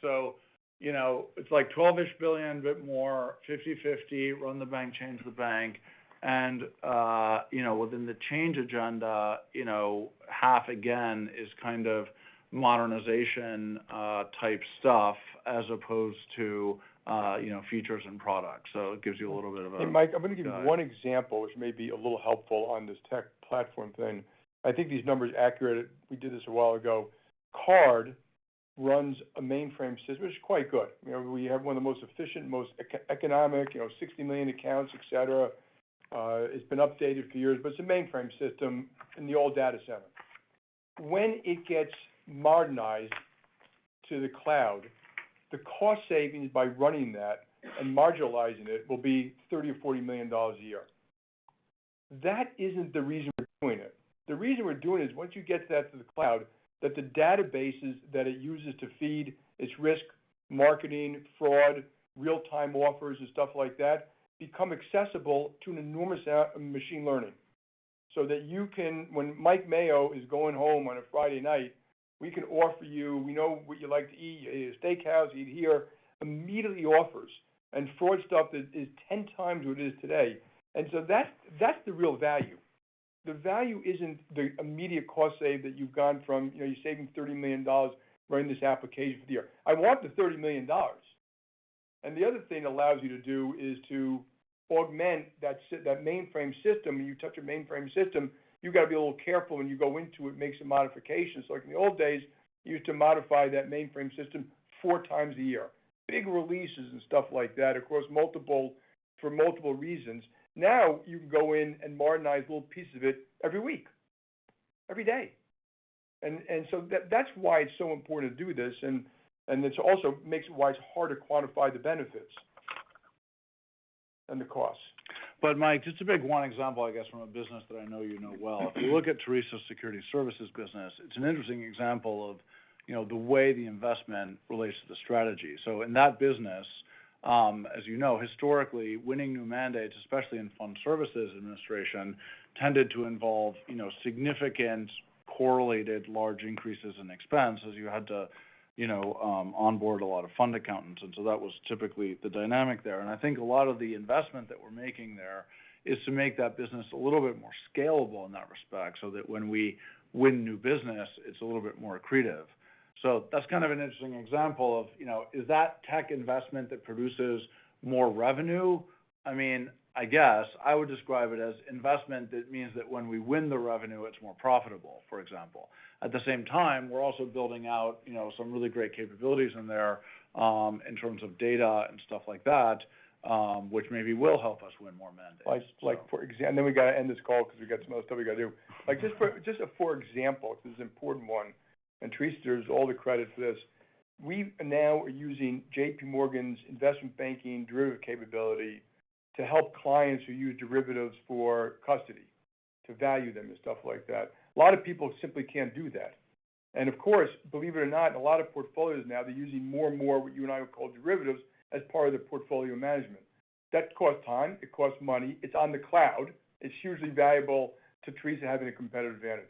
You know, it's like $12 billion-ish, a bit more, 50/50, run the bank, change the bank. You know, within the change agenda, you know, half again is kind of modernization type stuff as opposed to, you know, features and products. It gives you a little bit of a guide. Mike, I'm going to give you one example which may be a little helpful on this tech platform thing. I think these numbers are accurate. We did this a while ago. Card runs a mainframe system, which is quite good. You know, we have one of the most efficient, most economical, you know, 60 million accounts, etc. It's been updated for years, but it's a mainframe system in the old data center. When it gets modernized to the cloud, the cost savings by running that and migrating it will be $30 million-$40 million a year. That isn't the reason we're doing it. The reason we're doing it is once you get that to the cloud, then the databases that it uses to feed its risk, marketing, fraud, real-time offers and stuff like that become accessible to an enormous machine learning so that you can—when Mike Mayo is going home on a Friday night, we can offer you, we know what you like to eat, you eat at a steakhouse, you eat here, immediately offers. Fraud stuff is 10x what it is today. That's the real value. The value isn't the immediate cost save that you've gone from, you know, you're saving $30 million running this application for the year. I want the $30 million. The other thing it allows you to do is to augment that mainframe system. When you touch a mainframe system, you've got to be a little careful when you go into it and make some modifications. Like in the old days, you used to modify that mainframe system four times a year. Big releases and stuff like that, for multiple reasons. Now, you can go in and modernize a little piece of it every week, every day. That's why it's so important to do this. It also makes it why it's hard to quantify the benefits and the cost. Mike, just to pick one example, I guess, from a business that I know you know well. If you look at Teresa's Securities Services business, it's an interesting example of, you know, the way the investment relates to the strategy. In that business, as you know, historically, winning new mandates, especially in fund services administration, tended to involve, you know, significant correlated large increases in expense as you had to, you know, onboard a lot of fund accountants. That was typically the dynamic there. I think a lot of the investment that we're making there is to make that business a little bit more scalable in that respect, so that when we win new business, it's a little bit more accretive. That's kind of an interesting example of, you know, is that tech investment that produces more revenue? I mean, I guess I would describe it as investment that means that when we win the revenue, it's more profitable, for example. At the same time, we're also building out, you know, some really great capabilities in there, in terms of data and stuff like that, which maybe will help us win more mandates. Like, for example, and then we got to end this call because we got some other stuff we got to do. Like, just for example, this is an important one, and Teresa deserves all the credit for this. We now are using JPMorgan's investment banking derivative capability to help clients who use derivatives for custody, to value them and stuff like that. A lot of people simply can't do that. Of course, believe it or not, a lot of portfolios now, they're using more and more what you and I would call derivatives as part of their portfolio management. That costs time, it costs money. It's on the cloud. It's hugely valuable to Teresa having a competitive advantage.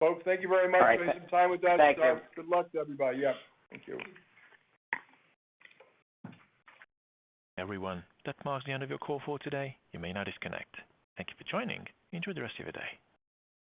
Folks, thank you very much for taking some time with that. Thank you. Good luck to everybody. Yep. Thank you. Everyone, that marks the end of your call for today. You may now disconnect. Thank you for joining. Enjoy the rest of your day.